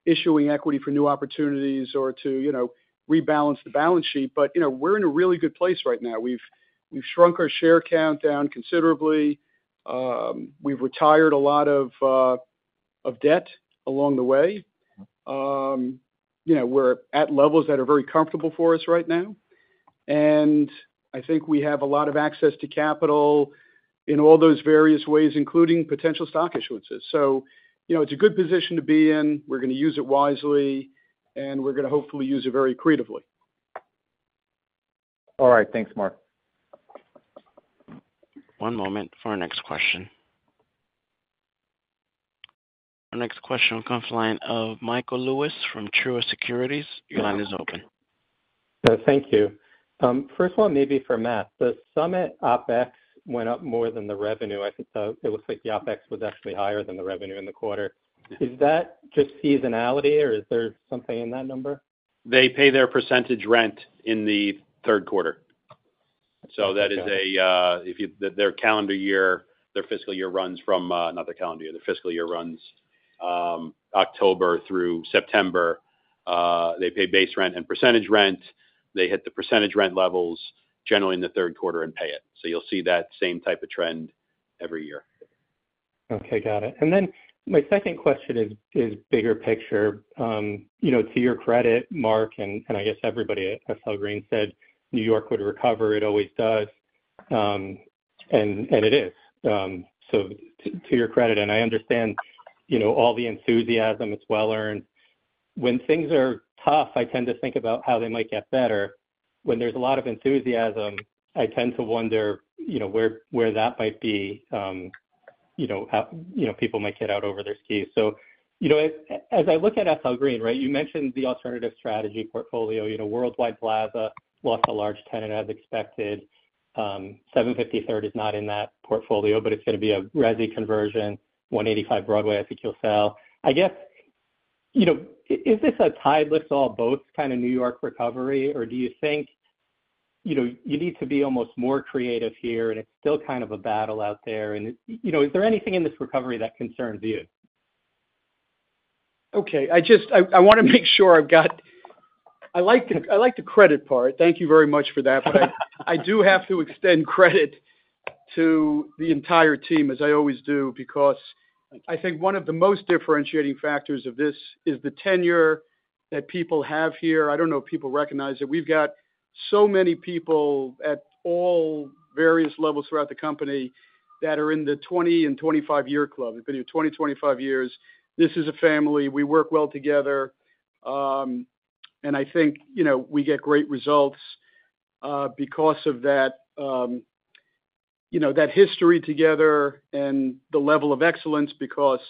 issuing equity for new opportunities or to, you know, rebalance the balance sheet. But, you know, we're in a really good place right now. We've shrunk our share count down considerably. We've retired a lot of debt along the way. You know, we're at levels that are very comfortable for us right now, and I think we have a lot of access to capital in all those various ways, including potential stock issuances. So, you know, it's a good position to be in. We're gonna use it wisely, and we're gonna hopefully use it very creatively. All right. Thanks, Marc. One moment for our next question. Our next question comes from the line of Michael Lewis from Truist Securities. Your line is open.... Thank you. First one, maybe for Matt. The Summit OpEx went up more than the revenue. I think, it looks like the OpEx was actually higher than the revenue in the quarter. Is that just seasonality, or is there something in that number? They pay their percentage rent in the third quarter. So that is. Their fiscal year runs from, not the calendar year, October through September. They pay base rent and percentage rent. They hit the percentage rent levels, generally in the third quarter and pay it. So you'll see that same type of trend every year. Okay, got it. And then my second question is the bigger picture. You know, to your credit, Marc, and I guess everybody at SL Green said New York would recover. It always does. And it is. So to your credit, and I understand, you know, all the enthusiasm; it's well earned. When things are tough, I tend to think about how they might get better. When there's a lot of enthusiasm, I tend to wonder, you know, where that might be, you know, how people might get out over their skis. So, you know, as I look at SL Green, right, you mentioned the alternative strategy portfolio. You know, Worldwide Plaza lost a large tenant, as expected. 750 Third Avenue is not in that portfolio, but it's gonna be a resi conversion. 185 Broadway, I think you'll sell. I guess, you know, is this a tide lifts all boats kind of New York recovery, or do you think, you know, you need to be almost more creative here, and it's still kind of a battle out there, and, you know, is there anything in this recovery that concerns you? Okay, I wanna make sure I've got it. I like the credit part. Thank you very much for that. But I do have to extend credit to the entire team, as I always do, because I think one of the most differentiating factors of this is the tenure that people have here. I don't know if people recognize it. We've got so many people at all various levels throughout the company that are in the twenty and twenty-five year club. They've been here twenty, twenty-five years. This is a family. We work well together, and I think, you know, we get great results because of that, you know, that history together and the level of excellence, because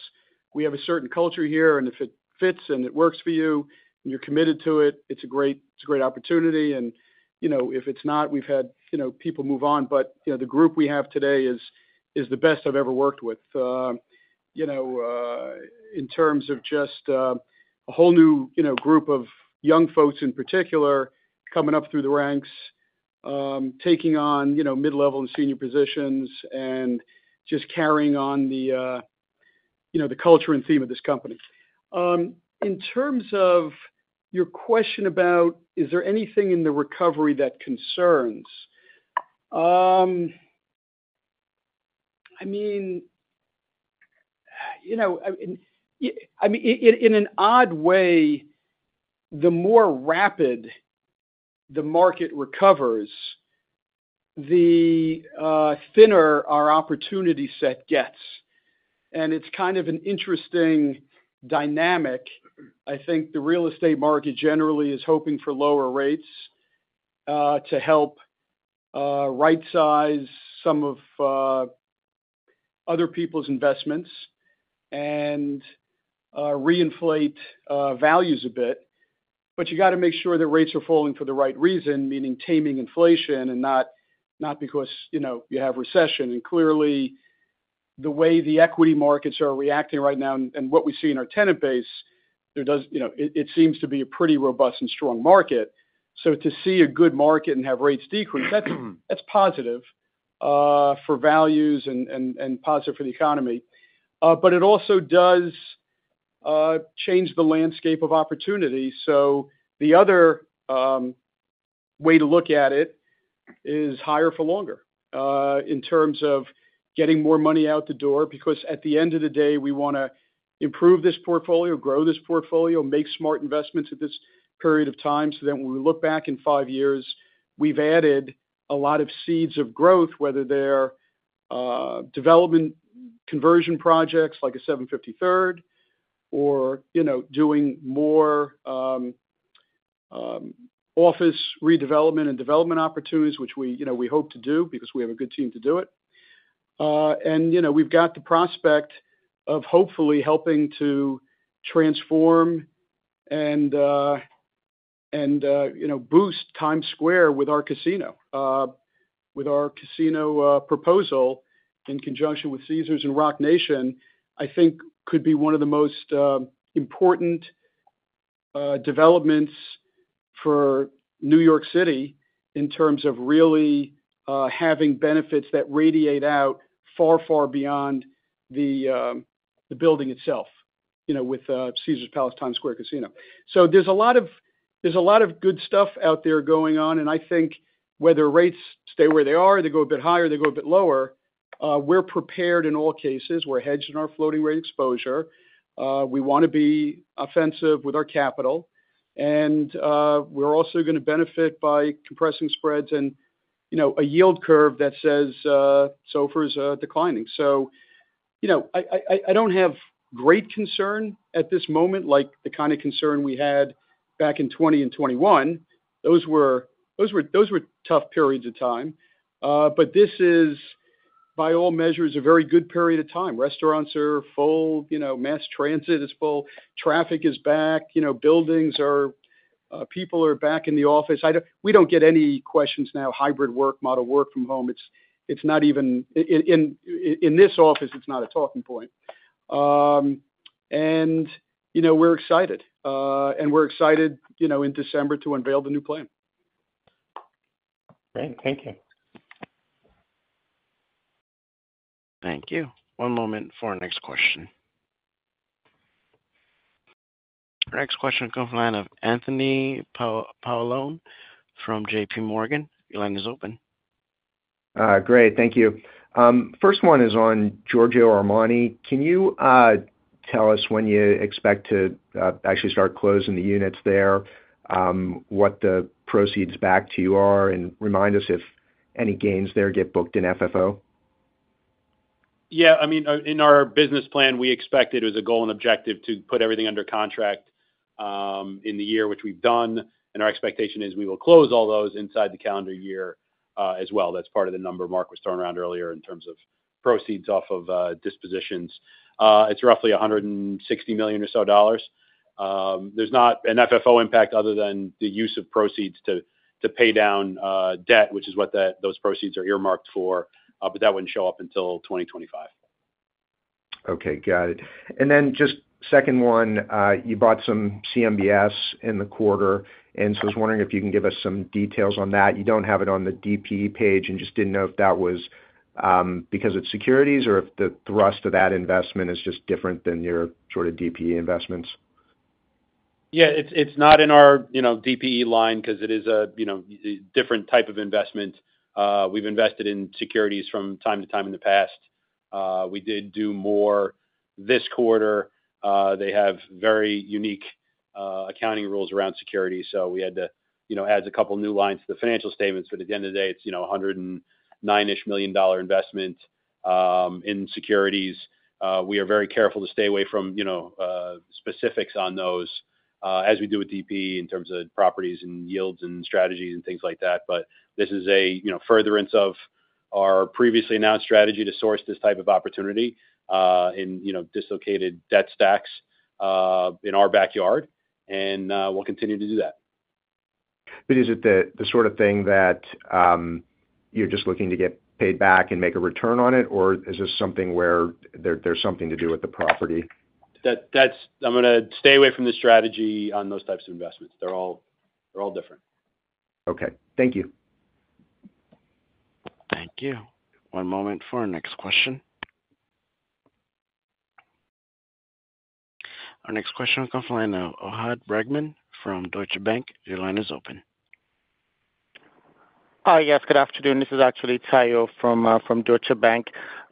we have a certain culture here, and if it fits and it works for you, and you're committed to it, it's a great opportunity, and, you know, if it's not, we've had, you know, people move on. But, you know, the group we have today is the best I've ever worked with. You know, in terms of just a whole new, you know, group of young folks in particular, coming up through the ranks, taking on, you know, mid-level and senior positions and just carrying on the, you know, the culture and theme of this company. In terms of your question about, is there anything in the recovery that concerns? I mean, you know, I and I mean in an odd way, the more rapid the market recovers, the thinner our opportunity set gets, and it's kind of an interesting dynamic. I think the real estate market generally is hoping for lower rates to help rightsize some of other people's investments and reinflate values a bit, but you gotta make sure that rates are falling for the right reason, meaning taming inflation and not because you know you have recession, and clearly the way the equity markets are reacting right now and what we see in our tenant base, you know it seems to be a pretty robust and strong market, so to see a good market and have rates decrease, that's positive for values and positive for the economy. But it also does change the landscape of opportunity. So the other way to look at it is higher for longer in terms of getting more money out the door, because at the end of the day, we wanna improve this portfolio, grow this portfolio, make smart investments at this period of time, so that when we look back in five years, we've added a lot of seeds of growth, whether they're development conversion projects, like 750 Third Avenue, or, you know, doing more office redevelopment and development opportunities, which we, you know, we hope to do because we have a good team to do it. And, you know, we've got the prospect of hopefully helping to transform and, you know, boost Times Square with our casino. With our casino proposal in conjunction with Caesars and Roc Nation, I think could be one of the most important developments for New York City in terms of really having benefits that radiate out far, far beyond the building itself, you know, with Caesars Palace Times Square Casino, so there's a lot of good stuff out there going on, and I think whether rates stay where they are, they go a bit higher, they go a bit lower, we're prepared in all cases. We're hedged in our floating rate exposure. We wanna be offensive with our capital, and we're also gonna benefit by compressing spreads and, you know, a yield curve that says SOFR is declining. So, you know, I don't have great concern at this moment, like the kind of concern we had back in 2020 and 2021. Those were tough periods of time. But by all measures, a very good period of time. Restaurants are full, you know, mass transit is full, traffic is back, you know, buildings are, people are back in the office. We don't get any questions now, hybrid work model, work from home. It's not even in this office, it's not a talking point. And, you know, we're excited, you know, in December to unveil the new plan. Great. Thank you. Thank you. One moment for our next question. Our next question comes from the line of Anthony Paolone from JPMorgan. Your line is open. Great, thank you. First one is on Giorgio Armani. Can you tell us when you expect to actually start closing the units there, what the proceeds back to you are, and remind us if any gains there get booked in FFO? Yeah, I mean, in our business plan, we expected as a goal and objective to put everything under contract in the year, which we've done, and our expectation is we will close all those inside the calendar year as well. That's part of the number Mark was throwing around earlier in terms of proceeds off of dispositions. It's roughly $160 million or so. There's not an FFO impact other than the use of proceeds to pay down debt, which is what those proceeds are earmarked for, but that wouldn't show up until 2025. Okay, got it. And then just second one, you bought some CMBS in the quarter, and so I was wondering if you can give us some details on that. You don't have it on the DPE page, and just didn't know if that was, because it's securities or if the thrust of that investment is just different than your sort of DPE investments. Yeah, it's not in our, you know, DPE line because it is a, you know, different type of investment. We've invested in securities from time to time in the past. We did do more this quarter. They have very unique, accounting rules around securities, so we had to, you know, add a couple new lines to the financial statements, but at the end of the day, it's, you know, a $109-ish million investment in securities. We are very careful to stay away from, you know, specifics on those, as we do with DPE in terms of properties and yields and strategies and things like that. But this is a, you know, furtherance of our previously announced strategy to source this type of opportunity in, you know, dislocated debt stacks in our backyard, and we'll continue to do that. But is it the sort of thing that you're just looking to get paid back and make a return on it, or is this something where there's something to do with the property? I'm gonna stay away from the strategy on those types of investments. They're all different. Okay. Thank you. Thank you. One moment for our next question. Our next question comes from the line of Ohad Bregman from Deutsche Bank. Your line is open. Yes, good afternoon. This is actually Tayo from Deutsche Bank.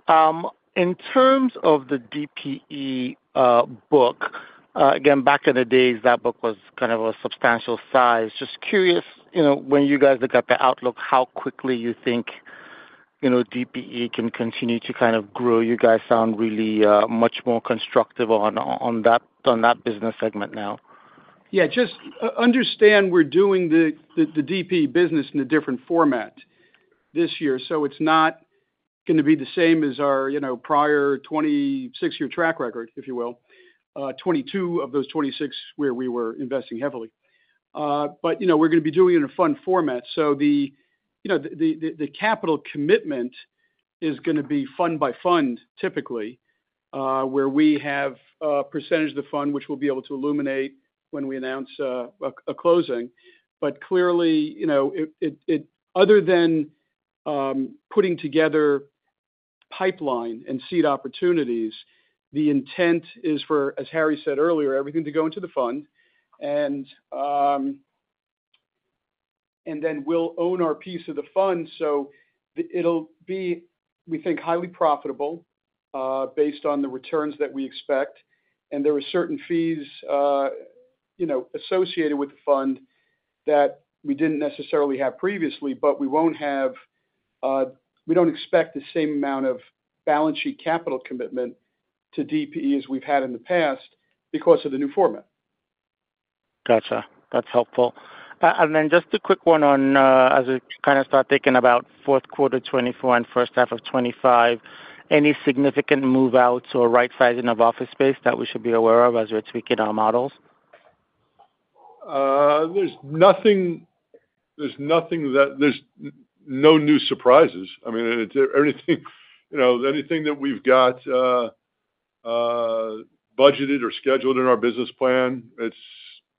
In terms of the DPE book, again, back in the days, that book was kind of a substantial size. Just curious, you know, when you guys look at the outlook, how quickly you think, you know, DPE can continue to kind of grow. You guys sound really much more constructive on that business segment now. Yeah, just understand we're doing the DPE business in a different format this year, so it's not gonna be the same as our prior 26-year track record, if you will. Twenty-two of those 26, where we were investing heavily. But, you know, we're gonna be doing it in a fund format. So the, you know, the capital commitment is gonna be fund by fund, typically, where we have a percentage of the fund, which we'll be able to illuminate when we announce a closing. But clearly, you know, other than putting together pipeline and seed opportunities, the intent is for, as Harry said earlier, everything to go into the fund, and then we'll own our piece of the fund. It'll be, we think, highly profitable, based on the returns that we expect. There are certain fees, you know, associated with the fund that we didn't necessarily have previously, but we won't have, we don't expect the same amount of balance sheet capital commitment to DPE as we've had in the past because of the new format. Gotcha. That's helpful. And then just a quick one on, as we kind of start thinking about fourth quarter 2024 and first half of 2025, any significant move out or right sizing of office space that we should be aware of as we're tweaking our models? There's nothing. There's no new surprises. I mean, it's anything, you know, anything that we've got budgeted or scheduled in our business plan, it's,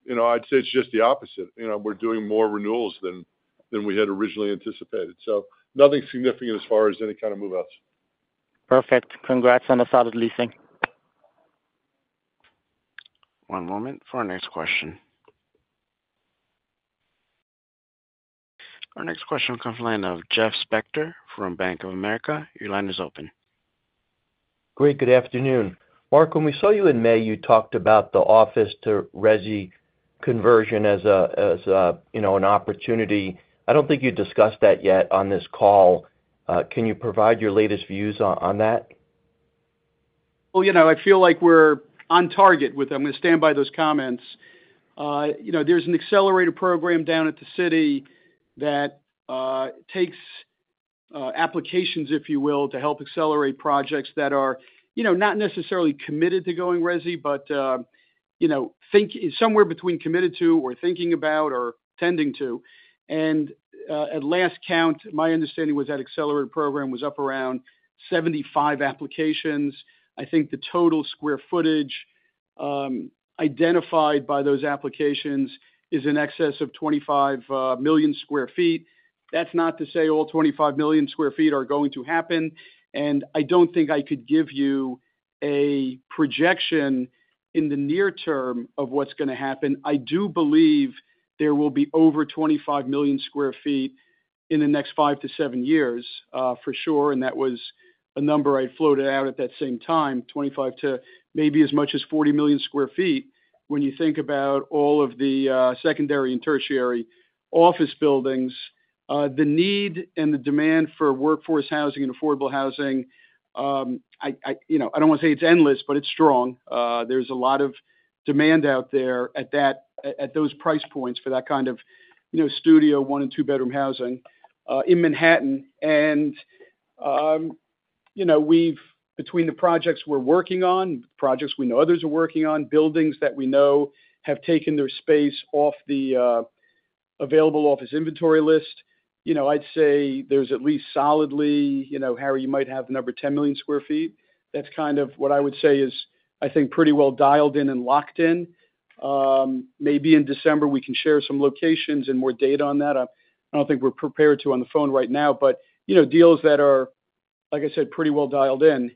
you know, I'd say it's just the opposite. You know, we're doing more renewals than we had originally anticipated, so nothing significant as far as any kind of move outs. Perfect. Congrats on a solid leasing. One moment for our next question. Our next question comes from the line of Jeff Spector from Bank of America. Your line is open. Great. Good afternoon. Marc, when we saw you in May, you talked about the office to resi conversion as a, you know, an opportunity. I don't think you discussed that yet on this call. Can you provide your latest views on that?... Well, you know, I feel like we're on target with them. I'm gonna stand by those comments. You know, there's an accelerated program down at the city that takes applications, if you will, to help accelerate projects that are, you know, not necessarily committed to going resi, but you know, think somewhere between committed to or thinking about or tending to. And at last count, my understanding was that accelerated program was up around 75 applications. I think the total square footage identified by those applications is in excess of 25 million sq ft. That's not to say all 25 million sq ft are going to happen, and I don't think I could give you a projection in the near term of what's gonna happen. I do believe there will be over 25 million sq ft in the next 5 to 7 years, for sure, and that was a number I floated out at that same time, 25 to maybe as much as 40 million sq ft. When you think about all of the secondary and tertiary office buildings, the need and the demand for workforce housing and affordable housing, you know, I don't wanna say it's endless, but it's strong. There's a lot of demand out there at those price points for that kind of, you know, studio, one and two bedroom housing, in Manhattan. And, you know, we've between the projects we're working on, projects we know others are working on, buildings that we know have taken their space off the available office inventory list, you know, I'd say there's at least solidly, you know, Harry, you might have the number 10 million sq ft. That's kind of what I would say is, I think, pretty well dialed in and locked in. Maybe in December, we can share some locations and more data on that. I don't think we're prepared to on the phone right now, but, you know, deals that are, like I said, pretty well dialed in.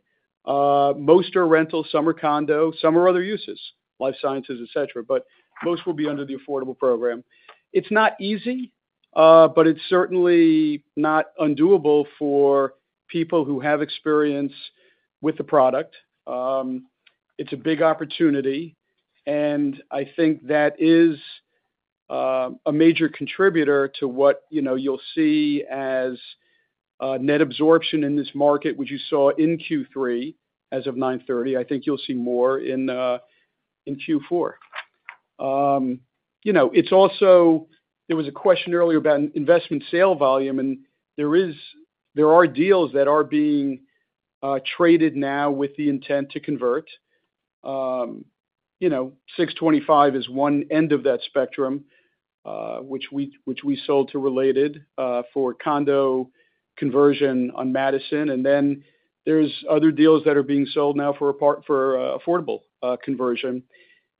Most are rental, some are condo, some are other uses, life sciences, et cetera, but most will be under the affordable program. It's not easy, but it's certainly not undoable for people who have experience with the product. It's a big opportunity, and I think that is a major contributor to what, you know, you'll see as net absorption in this market, which you saw in Q3 as of 9/30 thirty. I think you'll see more in Q4. You know, it's also. There was a question earlier about investment sale volume, and there are deals that are being traded now with the intent to convert. You know, 625 is one end of that spectrum, which we sold to Related for condo conversion on Madison. And then there's other deals that are being sold now for affordable conversion.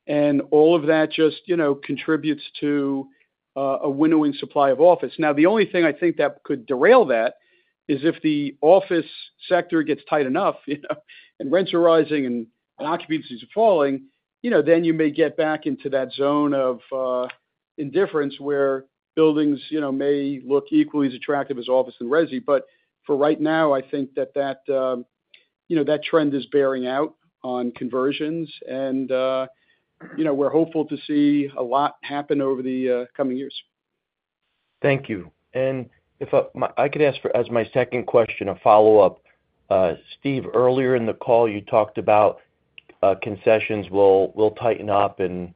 And all of that just, you know, contributes to a winnowing supply of office. Now, the only thing I think that could derail that is if the office sector gets tight enough, you know, and rents are rising and occupancies are falling, you know, then you may get back into that zone of indifference, where buildings, you know, may look equally as attractive as office and resi. But for right now, I think that, you know, that trend is bearing out on conversions, and, you know, we're hopeful to see a lot happen over the coming years. Thank you. And if I could ask for, as my second question, a follow-up. Steve, earlier in the call, you talked about concessions will tighten up and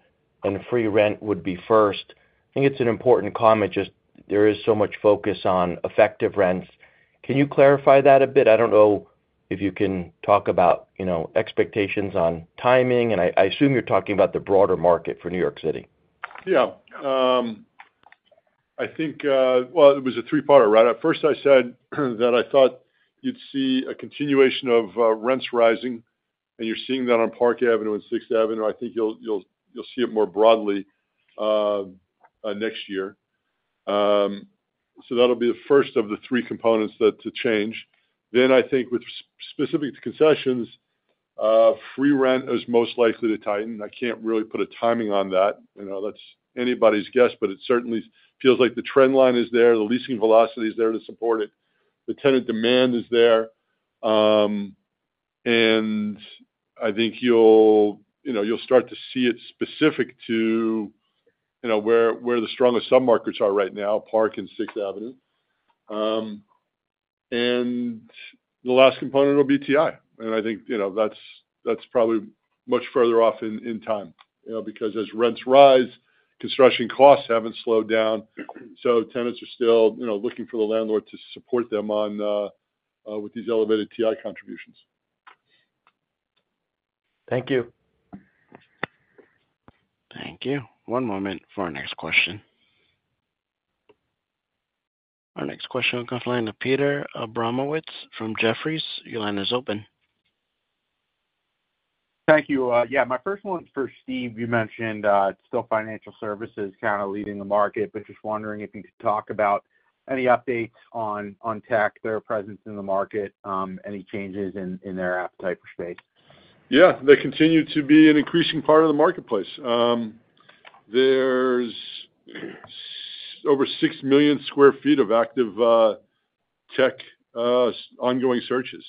free rent would be first. I think it's an important comment, just there is so much focus on effective rents. Can you clarify that a bit? I don't know if you can talk about, you know, expectations on timing, and I assume you're talking about the broader market for New York City. Yeah. I think it was a three-parter, right? At first, I said that I thought you'd see a continuation of rents rising, and you're seeing that on Park Avenue and Sixth Avenue. I think you'll see it more broadly next year. So that'll be the first of the three components that to change. Then I think with specific to concessions, free rent is most likely to tighten. I can't really put a timing on that. You know, that's anybody's guess, but it certainly feels like the trend line is there, the leasing velocity is there to support it, the tenant demand is there. And I think you'll, you know, you'll start to see it specific to, you know, where the strongest submarkets are right now, Park and Sixth Avenue. And the last component will be TI, and I think, you know, that's probably much further off in time. You know, because as rents rise, construction costs haven't slowed down, so tenants are still, you know, looking for the landlord to support them on with these elevated TI contributions. Thank you. Thank you. One moment for our next question. Our next question comes from the line of Peter Abramowitz from Jefferies. Your line is open. Thank you. Yeah, my first one's for Steve. You mentioned still financial services kind of leading the market, but just wondering if you could talk about any updates on tech, their presence in the market, any changes in their appetite for space? Yeah, they continue to be an increasing part of the marketplace. There's over 6 million sq ft of active tech ongoing searches.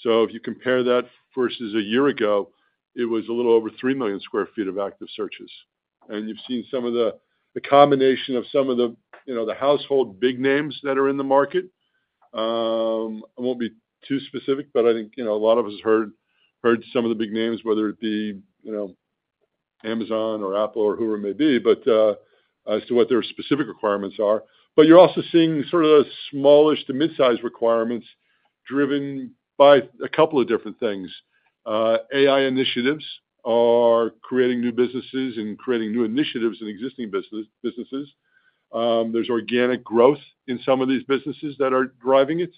So if you compare that versus a year ago, it was a little over 3 million sq ft of active searches. And you've seen some of the combination of some of the, you know, the household big names that are in the market.... I won't be too specific, but I think, you know, a lot of us heard some of the big names, whether it be, you know, Amazon or Apple or whoever it may be, but as to what their specific requirements are. But you're also seeing sort of smallish to mid-size requirements driven by a couple of different things. AI initiatives are creating new businesses and creating new initiatives in existing businesses. There's organic growth in some of these businesses that are driving it.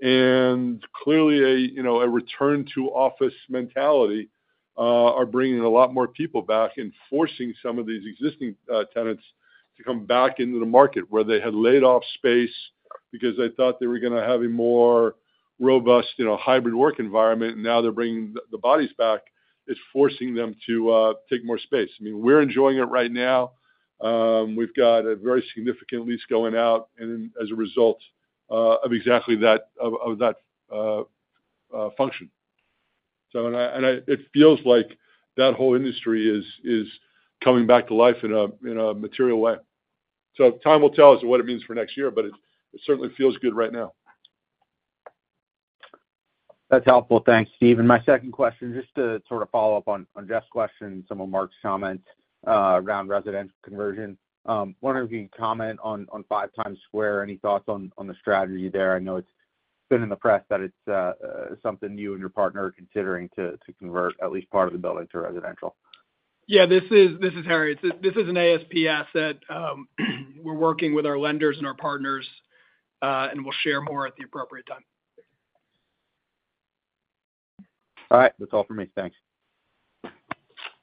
And clearly, you know, a return to office mentality are bringing a lot more people back and forcing some of these existing tenants to come back into the market, where they had laid off space because they thought they were gonna have a more robust, you know, hybrid work environment. Now they're bringing the bodies back, it's forcing them to take more space. I mean, we're enjoying it right now. We've got a very significant lease going out, and as a result of exactly that function. It feels like that whole industry is coming back to life in a material way. Time will tell us what it means for next year, but it certainly feels good right now. That's helpful. Thanks, Steve. And my second question, just to sort of follow up on Jeff's question and some of Marc's comments around residential conversion. Wondering if you can comment on 5 Times Square. Any thoughts on the strategy there? I know it's been in the press that it's something you and your partner are considering to convert at least part of the building to residential. Yeah, this is Harry. This is an ASP asset. We're working with our lenders and our partners, and we'll share more at the appropriate time. All right, that's all for me. Thanks.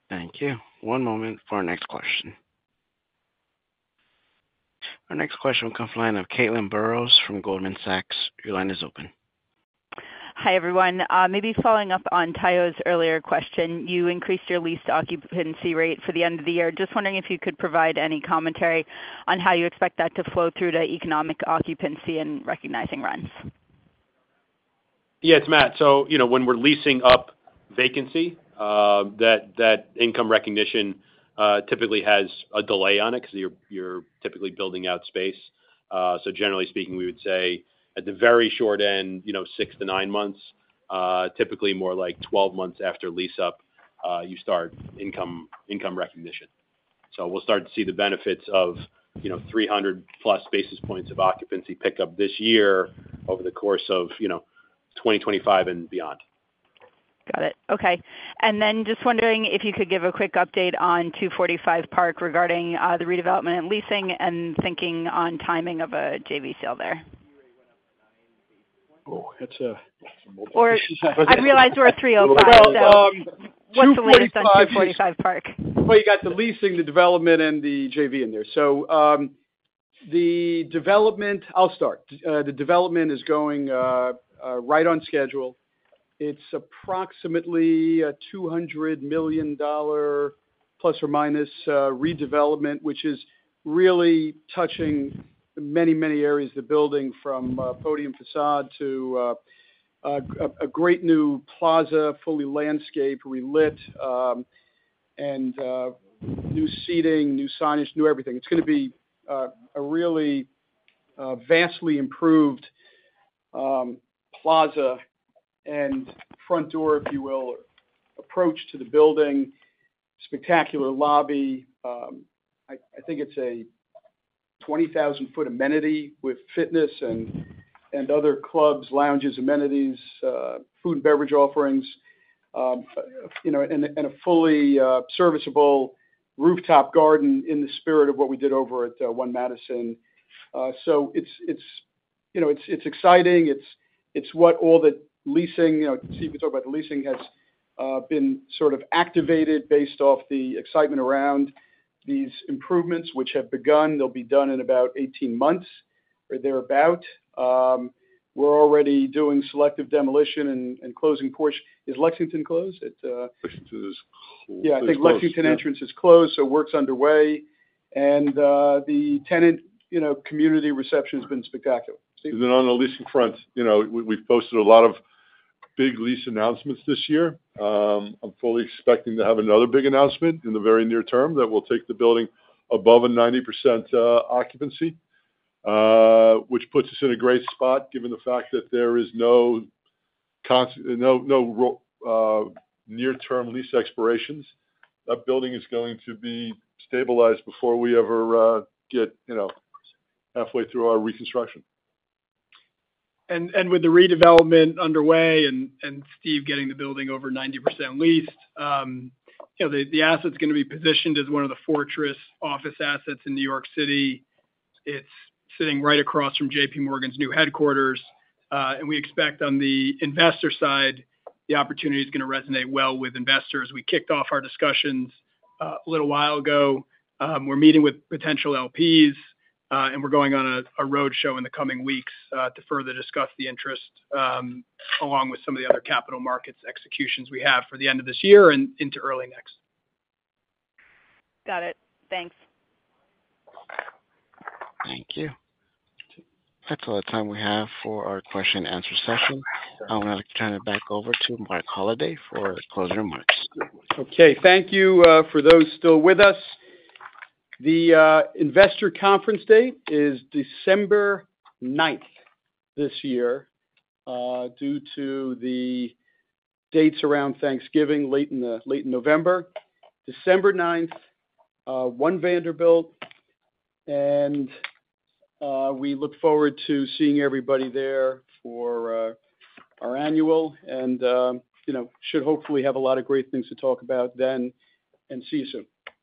Thank you. One moment for our next question. Our next question will come from the line of Caitlin Burrows from Goldman Sachs. Your line is open. Hi, everyone. Maybe following up on Tayo's earlier question, you increased your leased occupancy rate for the end of the year. Just wondering if you could provide any commentary on how you expect that to flow through to economic occupancy and recognizing rents? Yeah, it's Matt. So, you know, when we're leasing up vacancy, that income recognition typically has a delay on it because you're typically building out space. So generally speaking, we would say at the very short end, you know, six to nine months, typically more like 12 months after lease-up, you start income recognition. So we'll start to see the benefits of, you know, 300 plus basis points of occupancy pick up this year over the course of, you know, 2025 and beyond. Got it. Okay. And then just wondering if you could give a quick update on 245 Park regarding the redevelopment and leasing and thinking on timing of a JV sale there. Oh, that's a- Or, I realize we're at 3:05. Well, 245- What's the latest on 245 Park? You got the leasing, the development, and the JV in there. The development... I'll start. The development is going right on schedule. It's approximately a $200 million plus or minus redevelopment, which is really touching many, many areas of the building, from podium facade to a great new plaza, fully landscaped, relit, and new seating, new signage, new everything. It's gonna be a really vastly improved plaza and front door, if you will, approach to the building. Spectacular lobby, I think it's a 20,000 sq ft amenity with fitness and other clubs, lounges, amenities, food and beverage offerings, you know, and a fully serviceable rooftop garden in the spirit of what we did over at One Madison. So it's, you know, exciting. It's what all the leasing, you know, Steve can talk about the leasing has been sort of activated based off the excitement around these improvements, which have begun. They'll be done in about eighteen months or thereabout. We're already doing selective demolition and closing portions. Is Lexington closed? It Lexington is cl- Yeah. It's closed. I think Lexington entrance is closed, so work's underway, and, the tenant, you know, community reception's been spectacular. Steve? Then on the leasing front, you know, we, we've posted a lot of big lease announcements this year. I'm fully expecting to have another big announcement in the very near term that will take the building above 90% occupancy, which puts us in a great spot, given the fact that there is no near-term lease expirations. That building is going to be stabilized before we ever get, you know, halfway through our reconstruction. With the redevelopment underway and Steve getting the building over 90% leased, you know, the asset's gonna be positioned as one of the fortress office assets in New York City. It's sitting right across from JPMorgan's new headquarters, and we expect on the investor side, the opportunity is gonna resonate well with investors. We kicked off our discussions a little while ago. We're meeting with potential LPs, and we're going on a roadshow in the coming weeks to further discuss the interest, along with some of the other capital markets executions we have for the end of this year and into early next. Got it. Thanks. Thank you. That's all the time we have for our question and answer session. I'm gonna turn it back over to Marc Holliday for closing remarks. Okay. Thank you for those still with us. The investor conference date is December ninth this year, due to the dates around Thanksgiving, late November. December ninth, One Vanderbilt, and we look forward to seeing everybody there for our annual and, you know, should hopefully have a lot of great things to talk about then, and see you soon.